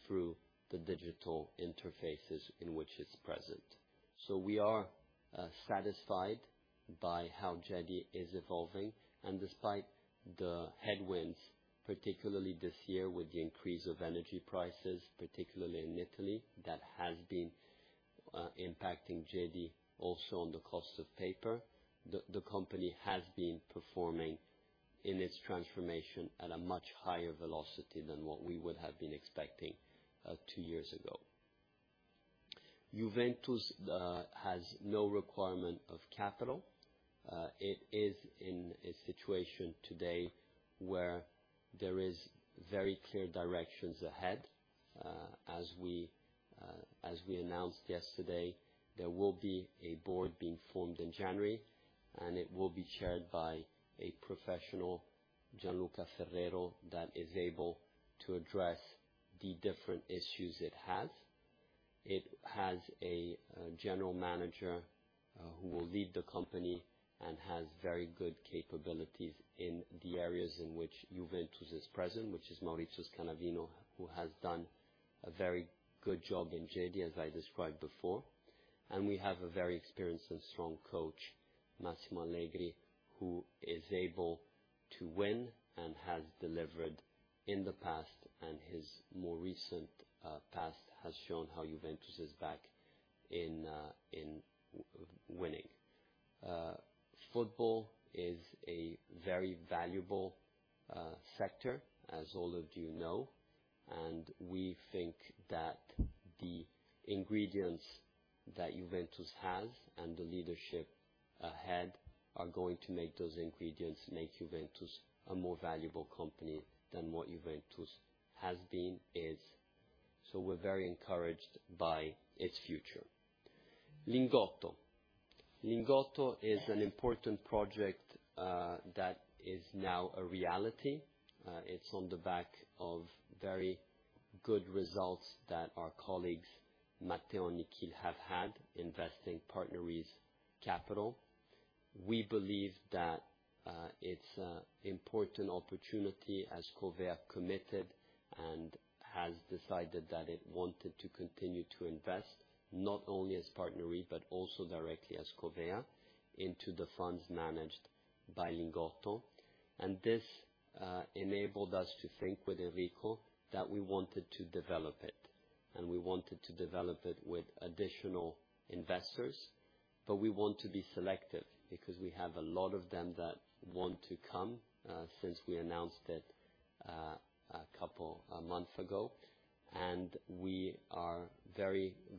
through the digital interfaces in which it's present. We are satisfied by how GEDI is evolving. Despite the headwinds, particularly this year with the increase of energy prices, particularly in Italy, that has been impacting GEDI also on the cost of paper, the company has been performing in its transformation at a much higher velocity than what we would have been expecting two years ago. Juventus has no requirement of capital. It is in a situation today where there is very clear directions ahead. As we announced yesterday, there will be a board being formed in January, and it will be chaired by a professional, Gianluca Ferrero, that is able to address the different issues it has. It has a general manager who will lead the company and has very good capabilities in the areas in which Juventus is present, which is Maurizio Scanavino, who has done a very good job in Gedi, as I described before. We have a very experienced and strong coach, Massimiliano Allegri, who is able to win and has delivered in the past, and his more recent past has shown how Juventus is back in winning. Football is a very valuable sector, as all of you know. We think that the ingredients that Juventus has and the leadership ahead are going to make those ingredients make Juventus a more valuable company than what Juventus has been, is. We're very encouraged by its future. Lingotto. Lingotto is an important project that is now a reality. It's on the back of very good results that our colleagues, Matteo and Nikhil, have had investing PartnerRe's capital. We believe that it's a important opportunity as Covéa committed and has decided that it wanted to continue to invest, not only as PartnerRe, but also directly as Covéa, into the funds managed by Lingotto. This, enabled us to think with Enrico that we wanted to develop it, and we wanted to develop it with additional investors, but we want to be selective because we have a lot of them that want to come, since we announced it, 2 months ago. We are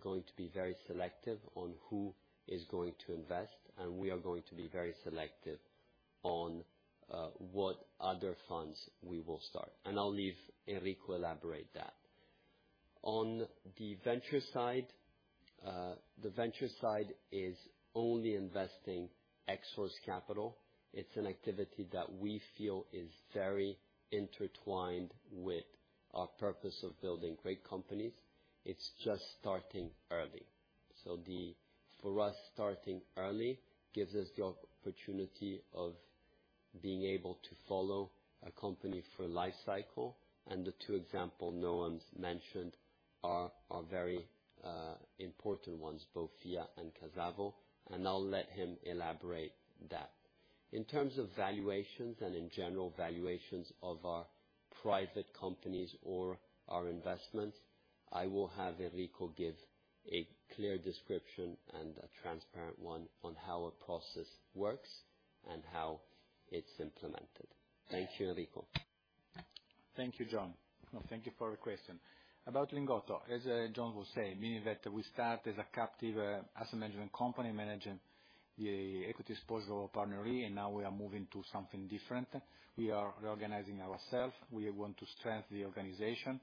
going to be very selective on who is going to invest, and we are going to be very selective on, what other funds we will start. I'll leave Enrico elaborate that. On the venture side, the venture side is only investing Exor's capital. It's an activity that we feel is very intertwined with our purpose of building great companies. It's just starting early. For us, starting early gives us the opportunity of being able to follow a company for a life cycle. The two example Noam's mentioned are very important ones, both FIA and Casavo, and I'll let him elaborate that. In terms of valuations and in general, valuations of our private companies or our investments, I will have Enrico give a clear description and a transparent one on how a process works and how it's implemented. Thank you, Enrico. Thank you, John. Thank you for the question. About Lingotto, as John was saying, meaning that we start as a captive asset management company, managing the equity exposure of our partner here, now we are moving to something different. We are reorganizing ourselves. We want to strengthen the organization.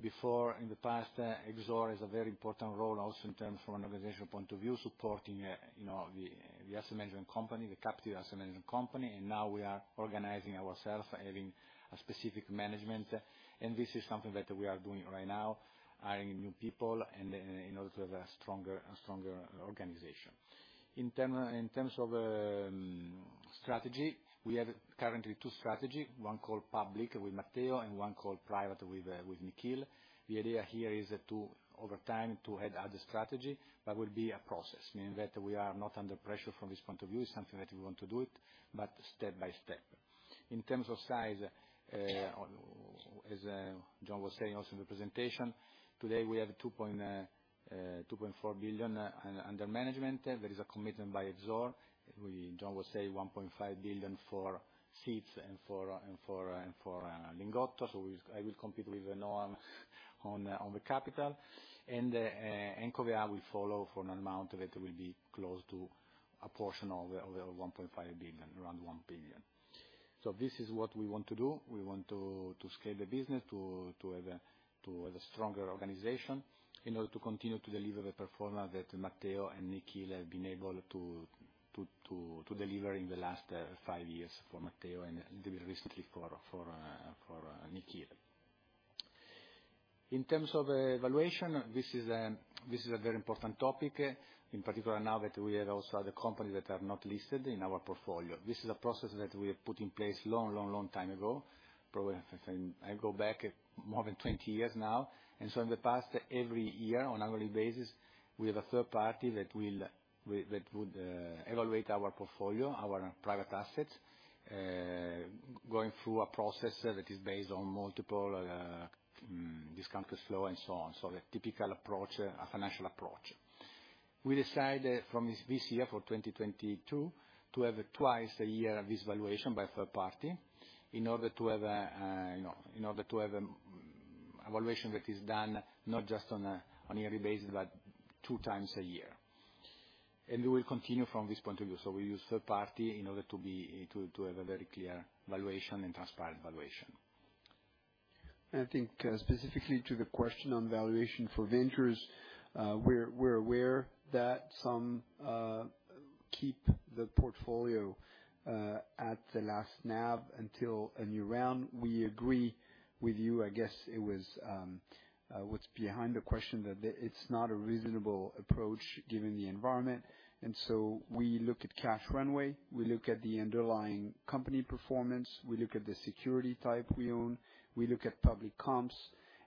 Before, in the past, Exor has a very important role also in terms from an organizational point of view, supporting, you know, the asset management company, the captive asset management company, now we are organizing ourselves, having a specific management, this is something that we are doing right now, hiring new people in order to have a stronger organization. In terms of strategy, we have currently two strategies. One called public with Matteo, and one called private with Nikhil. The idea here is to, over time, to add other strategy. That will be a process, meaning that we are not under pressure from this point of view. It's something that we want to do it, but step by step. In terms of size, as John was saying also in the presentation, today, we have 2.4 billion under management. There is a commitment by Exor. John was saying 1.5 billion for seats and for Lingotto. I will compete with Noam on the capital. Covéa will follow for an amount that will be close to a portion of the 1.5 billion, around 1 billion. This is what we want to do. We want to scale the business, to have a stronger organization in order to continue to deliver the performance that Matteo and Nikhil have been able to deliver in the last 5 years for Matteo and a little bit recently for Nikhil. In terms of valuation, this is a very important topic, in particular now that we have also other companies that are not listed in our portfolio. This is a process that we have put in place long, long, long time ago, probably I go back at more than 20 years now. In the past, every year on annual basis, we have a third party that would evaluate our portfolio, our private assets, going through a process that is based on multiple discounted flow and so on. A typical approach, a financial approach. We decide from this year for 2022 to have twice a year this valuation by third party in order to have, you know, in order to have a valuation that is done not just on a yearly basis, but 2 times a year. We will continue from this point of view. We use third party in order to have a very clear valuation and transparent valuation. I think specifically to the question on valuation for ventures, we're aware that some keep the portfolio at the last NAV until a new round. We agree with you. I guess it was what's behind the question. It's not a reasonable approach given the environment. We look at cash runway, we look at the underlying company performance, we look at the security type we own, we look at public comps.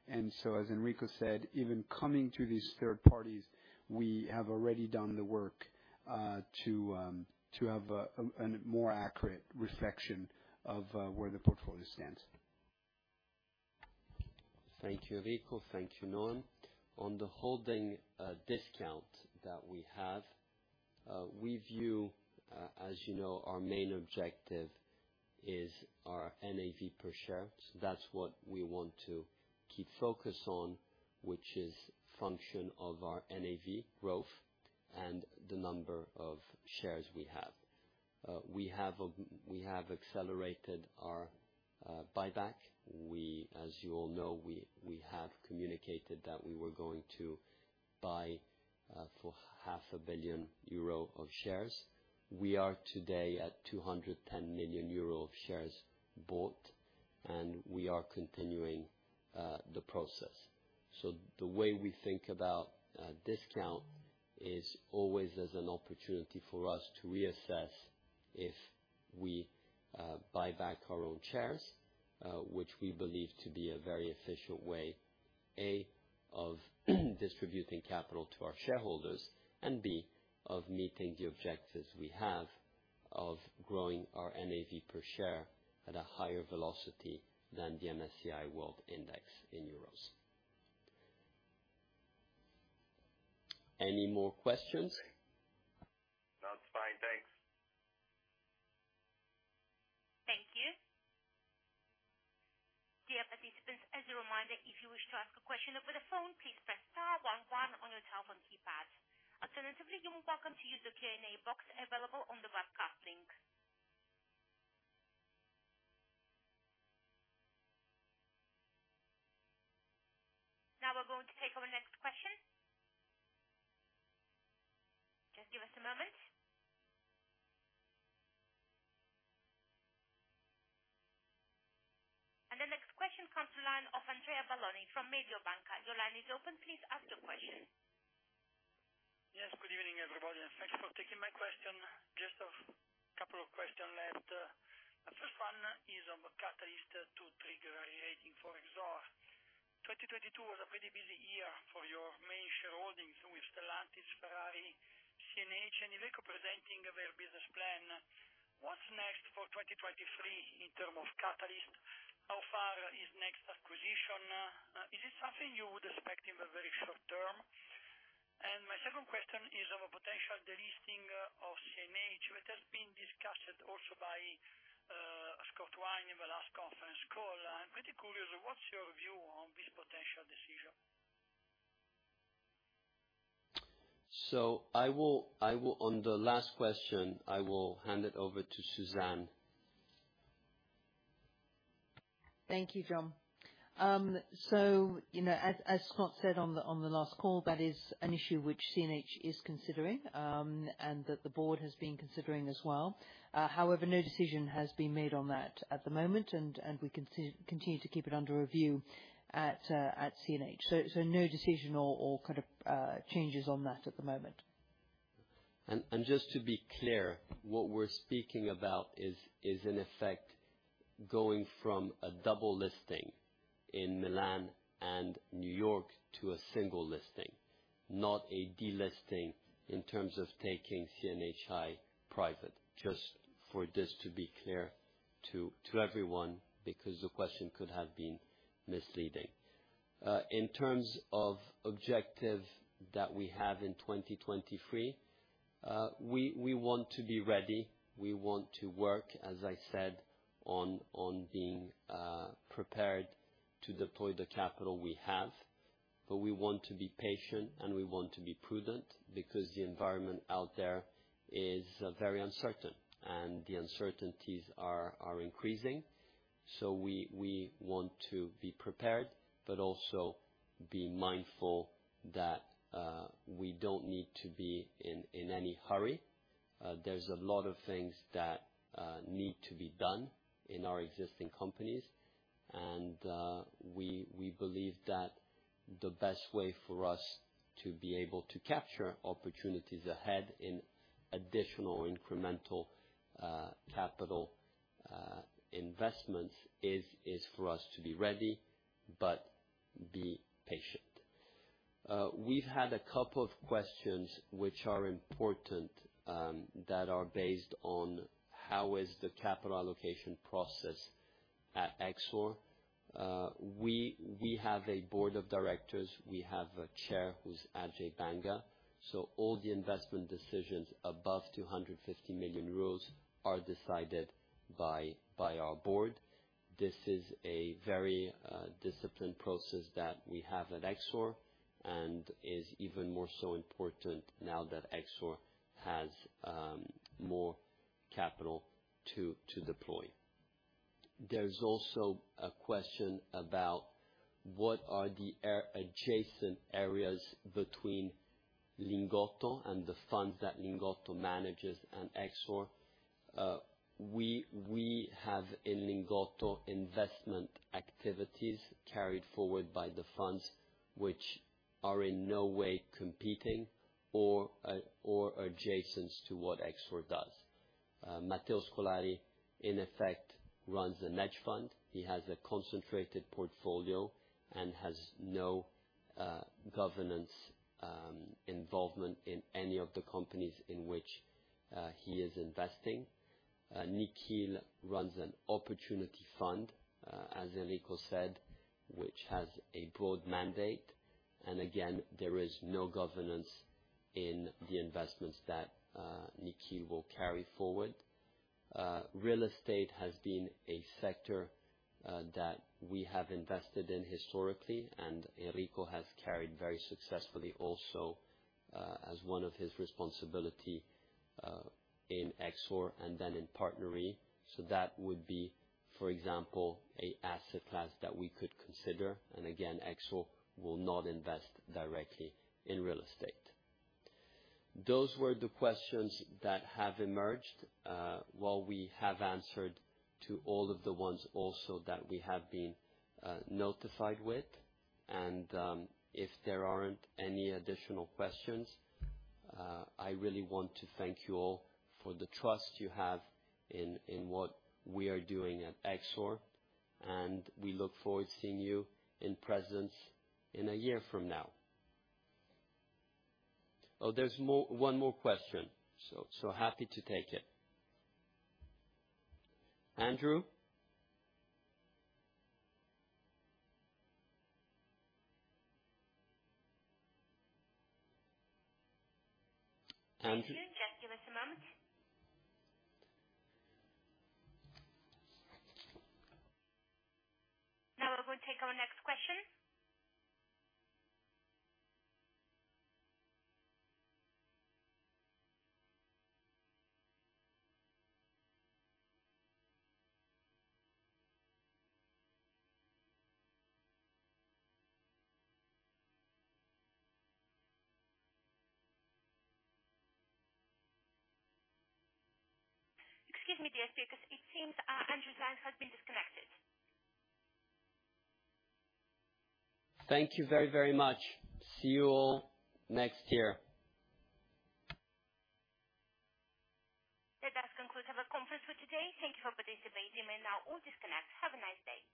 As Enrico said, even coming to these third parties, we have already done the work to have a more accurate reflection of where the portfolio stands. Thank you, Enrico. Thank you, Noam. On the holding discount that we have, we view, as you know, our main objective is our NAV per share. That's what we want to keep focus on, which is function of our NAV growth and the number of shares we have. We have accelerated our buyback. We, as you all know, we have communicated that we were going to buy for half a billion euro of shares. We are today at 210 million euro of shares bought, and we are continuing the process. The way we think about discount is always as an opportunity for us to reassess if we buy back our own shares, which we believe to be a very efficient way, A, of distributing capital to our shareholders, and B, of meeting the objectives we have of growing our NAV per share at a higher velocity than the MSCI World Index in euros. Any more questions? That's fine. Thanks. Thank you. Dear participants, as a reminder, if you wish to ask a question over the phone, please press star one one on your telephone keypad. Alternatively, you are welcome to use the Q&A box available on the webcast link. Now we're going to take our next question. Just give us a moment. The next question comes to line of Andrea Balloni from Mediobanca. Your line is open. Please ask your question. Yes, good evening, everybody. Thanks for taking my question. Just a couple of question left. First one is on catalyst to trigger a rating for Exor. 2022 was a pretty busy year for your main shareholdings with Stellantis, Ferrari, CNH Industrial presenting their business plan. What's next for 2023 in term of catalyst? How far is next acquisition? Is it something you would expect in the very short term? My second question is of a potential delisting of CNH that has been discussed also by Scott Wine in the last conference call. I'm pretty curious, what's your view on this potential decision? On the last question, I will hand it over to Suzanne. Thank you, John. You know, as Scott said on the last call, that is an issue which CNH is considering, and that the board has been considering as well. However, no decision has been made on that at the moment, and we continue to keep it under review at CNH. No decision or kind of changes on that at the moment. Just to be clear, what we're speaking about is in effect going from a double listing in Milan and New York to a single listing. Not a delisting in terms of taking CNH private, just for this to be clear to everyone, because the question could have been misleading. In terms of objective that we have in 2023, we want to be ready, we want to work, as I said, on being prepared to deploy the capital we have. We want to be patient, and we want to be prudent because the environment out there is very uncertain and the uncertainties are increasing. We want to be prepared but also be mindful that we don't need to be in any hurry. There's a lot of things that need to be done in our existing companies. We, we believe that the best way for us to be able to capture opportunities ahead in additional incremental capital investments is for us to be ready but be patient. We've had a couple of questions which are important that are based on how is the capital allocation process at Exor. We, we have a board of directors. We have a chair who's Ajay Banga. All the investment decisions above 250 million euros are decided by our board. This is a very disciplined process that we have at Exor and is even more so important now that Exor has more capital to deploy. There's also a question about what are the adjacent areas between Lingotto and the funds that Lingotto manages and Exor. We have in Lingotto investment activities carried forward by the funds which are in no way competing or adjacent to what Exor does. Matteo Scolari in effect runs a hedge fund. He has a concentrated portfolio and has no governance involvement in any of the companies in which he is investing. Nikhil runs an opportunity fund, as Enrico said, which has a broad mandate. Again, there is no governance in the investments that Nikhil will carry forward. Real estate has been a sector that we have invested in historically, and Enrico has carried very successfully also as one of his responsibility in Exor and then in PartnerRe. That would be, for example, a asset class that we could consider. Again, Exor will not invest directly in real estate. Those were the questions that have emerged, while we have answered to all of the ones also that we have been notified with. If there aren't any additional questions, I really want to thank you all for the trust you have in what we are doing at Exor. We look forward seeing you in presence in a year from now. Oh, there's one more question. Happy to take it. Andrew? Andrew? Thank you. Just give us a moment. We're going to take our next question. Excuse me, dear speakers, it seems Andrew's line has been disconnected. Thank you very, very much. See you all next year. That does conclude our conference for today. Thank you for participating. You may now all disconnect. Have a nice day.